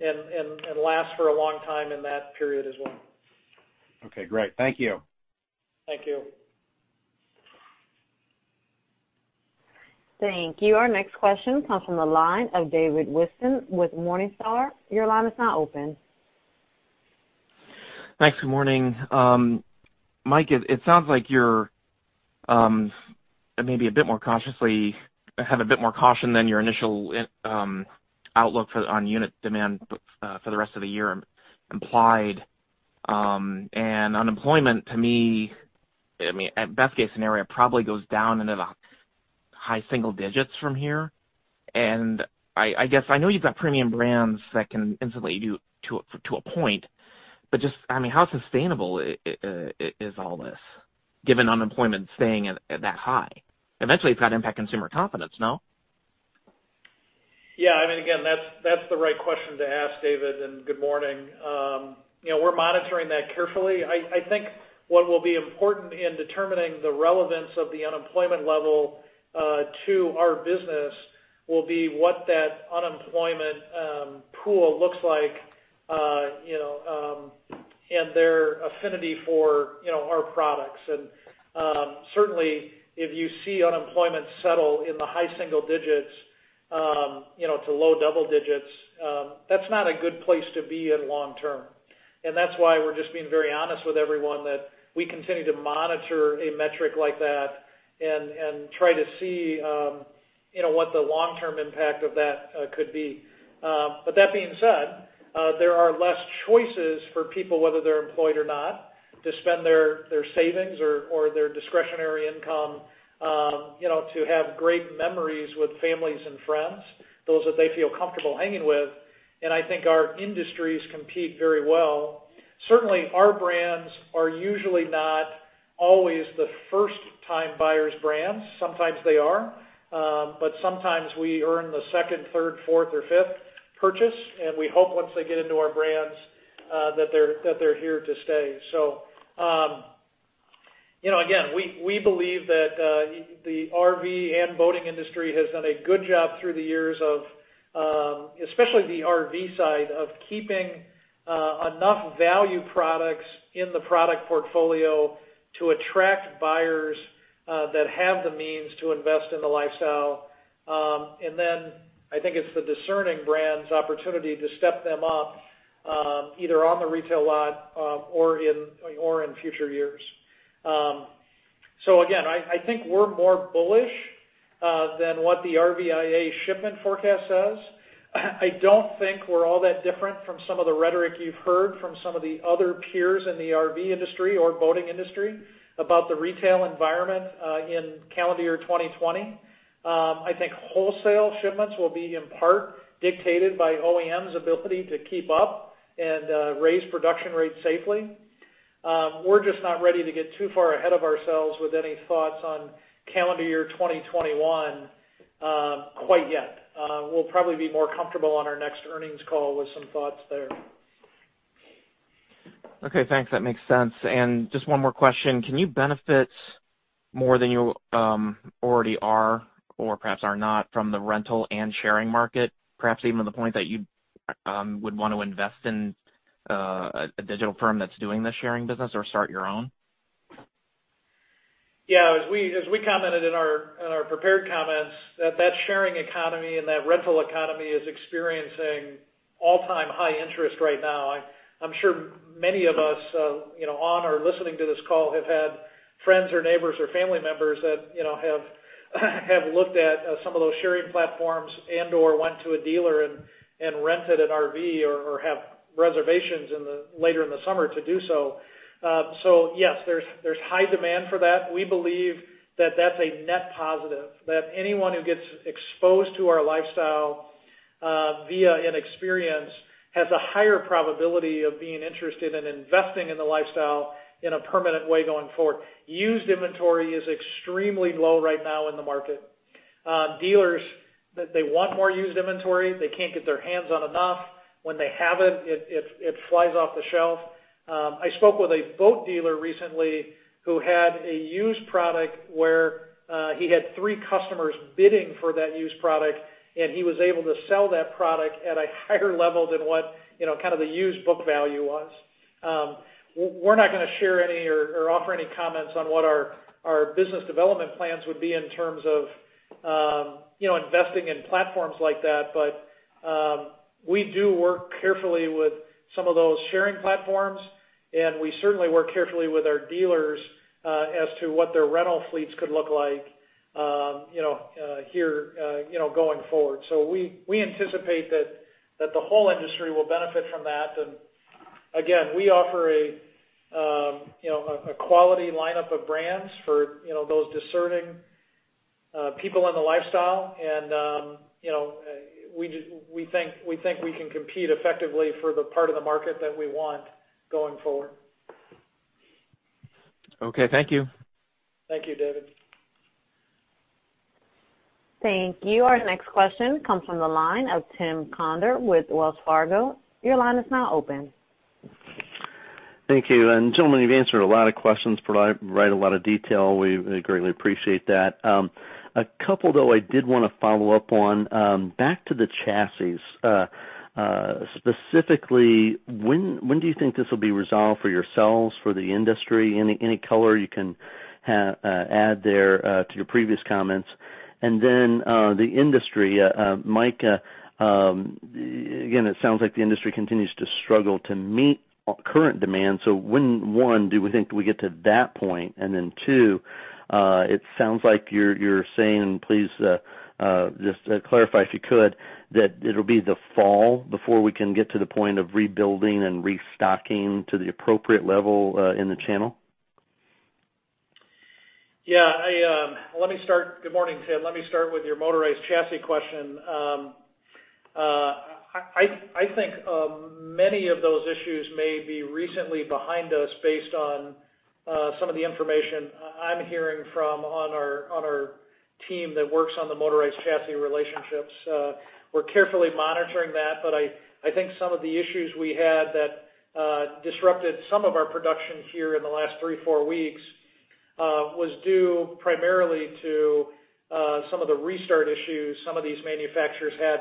and lasts for a long time in that period as well. Okay. Great. Thank you. Thank you. Thank you. Our next question comes from the line of David Whiston with Morningstar. Your line is now open. Thanks. Good morning. Mike, it sounds like you're maybe a bit more cautiously have a bit more caution than your initial outlook on unit demand for the rest of the year implied. And unemployment to me, I mean, at best case scenario, probably goes down into the high single digits from here. And I guess I know you've got premium brands that can insulate you to a point. But just, I mean, how sustainable is all this given unemployment staying that high? Eventually, it's got to impact consumer confidence, no? Yeah. I mean, again, that's the right question to ask, David. And good morning. We're monitoring that carefully. I think what will be important in determining the relevance of the unemployment level to our business will be what that unemployment pool looks like and their affinity for our products. And certainly, if you see unemployment settle in the high single digits to low double digits, that's not a good place to be in long-term. And that's why we're just being very honest with everyone that we continue to monitor a metric like that and try to see what the long-term impact of that could be. But that being said, there are less choices for people, whether they're employed or not, to spend their savings or their discretionary income to have great memories with families and friends, those that they feel comfortable hanging with. I think our industries compete very well. Certainly, our brands are usually not always the first-time buyers brands. Sometimes they are. Sometimes we earn the second, third, fourth, or fifth purchase. We hope once they get into our brands that they're here to stay. Again, we believe that the RV and boating industry has done a good job through the years of especially the RV side of keeping enough value products in the product portfolio to attract buyers that have the means to invest in the lifestyle. Then I think it's the discerning brand's opportunity to step them up either on the retail lot or in future years. Again, I think we're more bullish than what the RVIA shipment forecast says. I don't think we're all that different from some of the rhetoric you've heard from some of the other peers in the RV industry or boating industry about the retail environment in calendar year 2020. I think wholesale shipments will be in part dictated by OEMs' ability to keep up and raise production rates safely. We're just not ready to get too far ahead of ourselves with any thoughts on calendar year 2021 quite yet. We'll probably be more comfortable on our next earnings call with some thoughts there. Okay. Thanks. That makes sense, and just one more question. Can you benefit more than you already are or perhaps are not from the rental and sharing market, perhaps even to the point that you would want to invest in a digital platform that's doing the sharing business or start your own? Yeah. As we commented in our prepared comments, that sharing economy and that rental economy is experiencing all-time high interest right now. I'm sure many of us on or listening to this call have had friends or neighbors or family members that have looked at some of those sharing platforms and/or went to a dealer and rented an RV or have reservations later in the summer to do so. So yes, there's high demand for that. We believe that that's a net positive, that anyone who gets exposed to our lifestyle via an experience has a higher probability of being interested in investing in the lifestyle in a permanent way going forward. Used inventory is extremely low right now in the market. Dealers, they want more used inventory. They can't get their hands on enough. When they have it, it flies off the shelf. I spoke with a boat dealer recently who had a used product where he had three customers bidding for that used product, and he was able to sell that product at a higher level than what kind of the used book value was. We're not going to share any or offer any comments on what our business development plans would be in terms of investing in platforms like that. But we do work carefully with some of those sharing platforms. And we certainly work carefully with our dealers as to what their rental fleets could look like here going forward. So we anticipate that the whole industry will benefit from that. And again, we offer a quality lineup of brands for those discerning people in the lifestyle. And we think we can compete effectively for the part of the market that we want going forward. Okay. Thank you. Thank you, David. Thank you. Our next question comes from the line of Tim Conder with Wells Fargo. Your line is now open. Thank you, and gentlemen, you've answered a lot of questions, provided a lot of detail. We greatly appreciate that. A couple, though, I did want to follow up on. Back to the chassis. Specifically, when do you think this will be resolved for yourselves, for the industry? Any color you can add there to your previous comments, and then the industry. Mike, again, it sounds like the industry continues to struggle to meet current demands, so one, do we think we get to that point? And then two, it sounds like you're saying, and please just clarify if you could, that it'll be the fall before we can get to the point of rebuilding and restocking to the appropriate level in the channel? Yeah. Let me start. Good morning, Tim. Let me start with your motorized chassis question. I think many of those issues may be recently behind us based on some of the information I'm hearing from on our team that works on the motorized chassis relationships. We're carefully monitoring that. But I think some of the issues we had that disrupted some of our production here in the last three, four weeks was due primarily to some of the restart issues some of these manufacturers had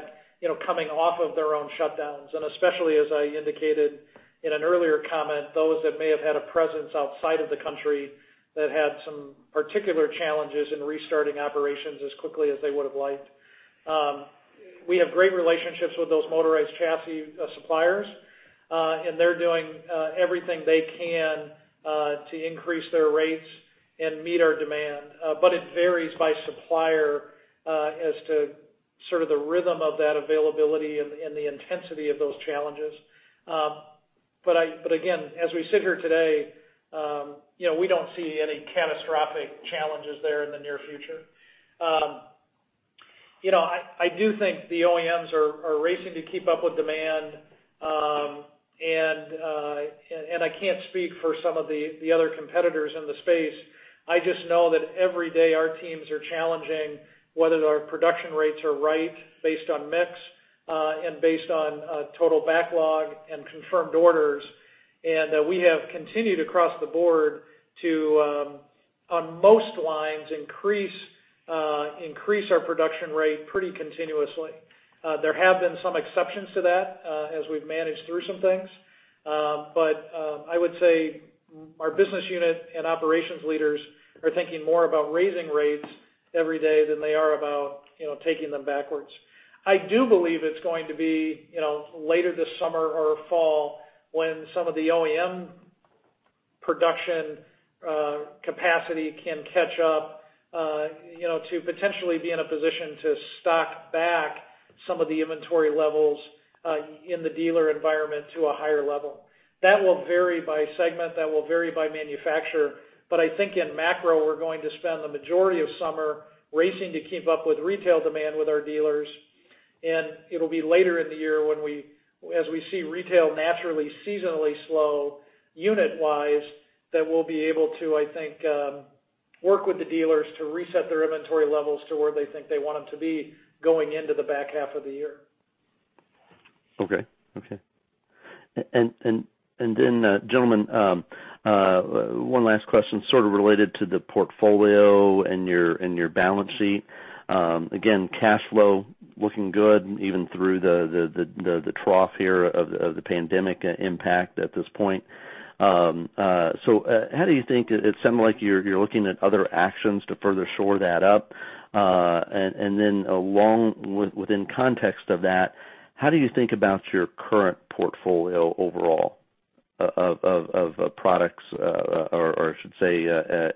coming off of their own shutdowns. And especially, as I indicated in an earlier comment, those that may have had a presence outside of the country that had some particular challenges in restarting operations as quickly as they would have liked. We have great relationships with those motorized chassis suppliers. And they're doing everything they can to increase their rates and meet our demand. But it varies by supplier as to sort of the rhythm of that availability and the intensity of those challenges. But again, as we sit here today, we don't see any catastrophic challenges there in the near future. I do think the OEMs are racing to keep up with demand. And I can't speak for some of the other competitors in the space. I just know that every day our teams are challenging whether our production rates are right based on mix and based on total backlog and confirmed orders. And we have continued across the board to, on most lines, increase our production rate pretty continuously. There have been some exceptions to that as we've managed through some things. But I would say our business unit and operations leaders are thinking more about raising rates every day than they are about taking them backwards. I do believe it's going to be later this summer or fall when some of the OEM production capacity can catch up to potentially be in a position to stock back some of the inventory levels in the dealer environment to a higher level. That will vary by segment. That will vary by manufacturer. But I think in macro, we're going to spend the majority of summer racing to keep up with retail demand with our dealers. And it'll be later in the year when we, as we see retail naturally seasonally slow unit-wise, that we'll be able to, I think, work with the dealers to reset their inventory levels to where they think they want them to be going into the back half of the year. Okay. Okay. And then, gentlemen, one last question sort of related to the portfolio and your balance sheet. Again, cash flow looking good even through the trough here of the pandemic impact at this point. So how do you think it sounds like you're looking at other actions to further shore that up? And then along within context of that, how do you think about your current portfolio overall of products or, I should say,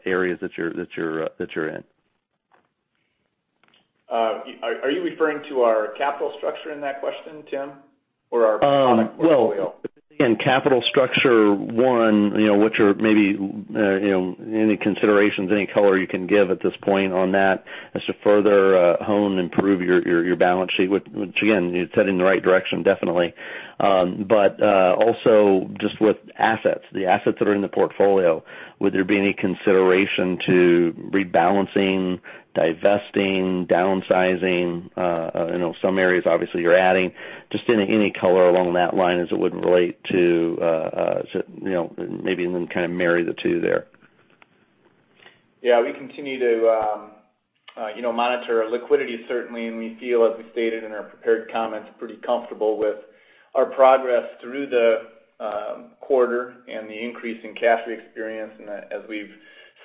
areas that you're in? Are you referring to our capital structure in that question, Tim, or our product portfolio? Again, capital structure. One, what you're maybe any considerations, any color you can give at this point on that as to further hone and improve your balance sheet, which again, you're heading in the right direction, definitely. But also just with assets, the assets that are in the portfolio, would there be any consideration to rebalancing, divesting, downsizing in some areas, obviously, you're adding? Just any color along that line as it would relate to maybe then kind of marry the two there? Yeah. We continue to monitor our liquidity, certainly. And we feel, as we stated in our prepared comments, pretty comfortable with our progress through the quarter and the increase in cash position. And as we've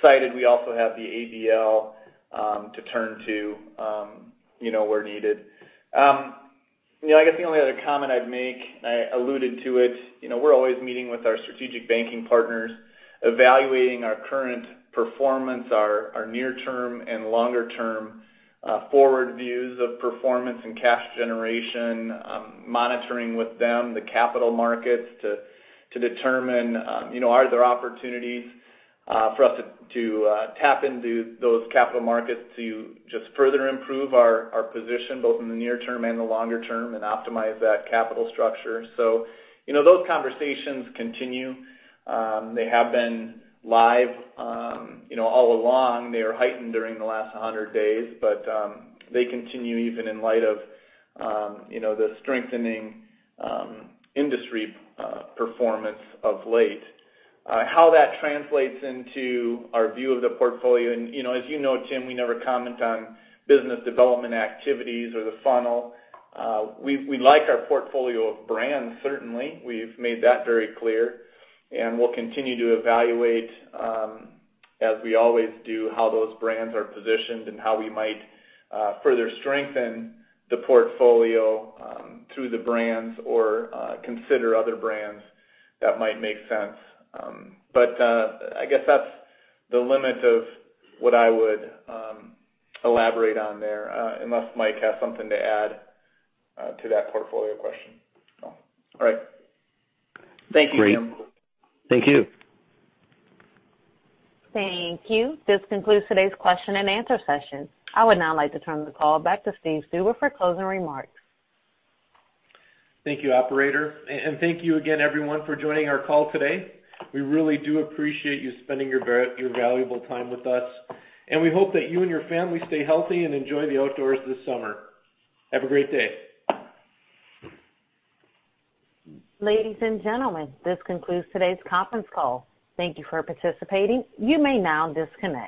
cited, we also have the ABL to turn to where needed. I guess the only other comment I'd make, and I alluded to it, we're always meeting with our strategic banking partners, evaluating our current performance, our near-term and longer-term forward views of performance and cash generation, monitoring with them the capital markets to determine are there opportunities for us to tap into those capital markets to just further improve our position both in the near-term and the longer-term and optimize that capital structure. So those conversations continue. They have been live all along. They are heightened during the last 100 days. But they continue even in light of the strengthening industry performance of late. How that translates into our view of the portfolio. And as you know, Tim, we never comment on business development activities or the funnel. We like our portfolio of brands, certainly. We've made that very clear. And we'll continue to evaluate, as we always do, how those brands are positioned and how we might further strengthen the portfolio through the brands or consider other brands that might make sense. But I guess that's the limit of what I would elaborate on there unless Mike has something to add to that portfolio question. All right. Thank you, Tim. Thank you. Thank you. This concludes today's question and answer session. I would now like to turn the call back to Steve Stuber for closing remarks. Thank you, operator. And thank you again, everyone, for joining our call today. We really do appreciate you spending your valuable time with us. And we hope that you and your family stay healthy and enjoy the outdoors this summer. Have a great day. Ladies and gentlemen, this concludes today's conference call. Thank you for participating. You may now disconnect.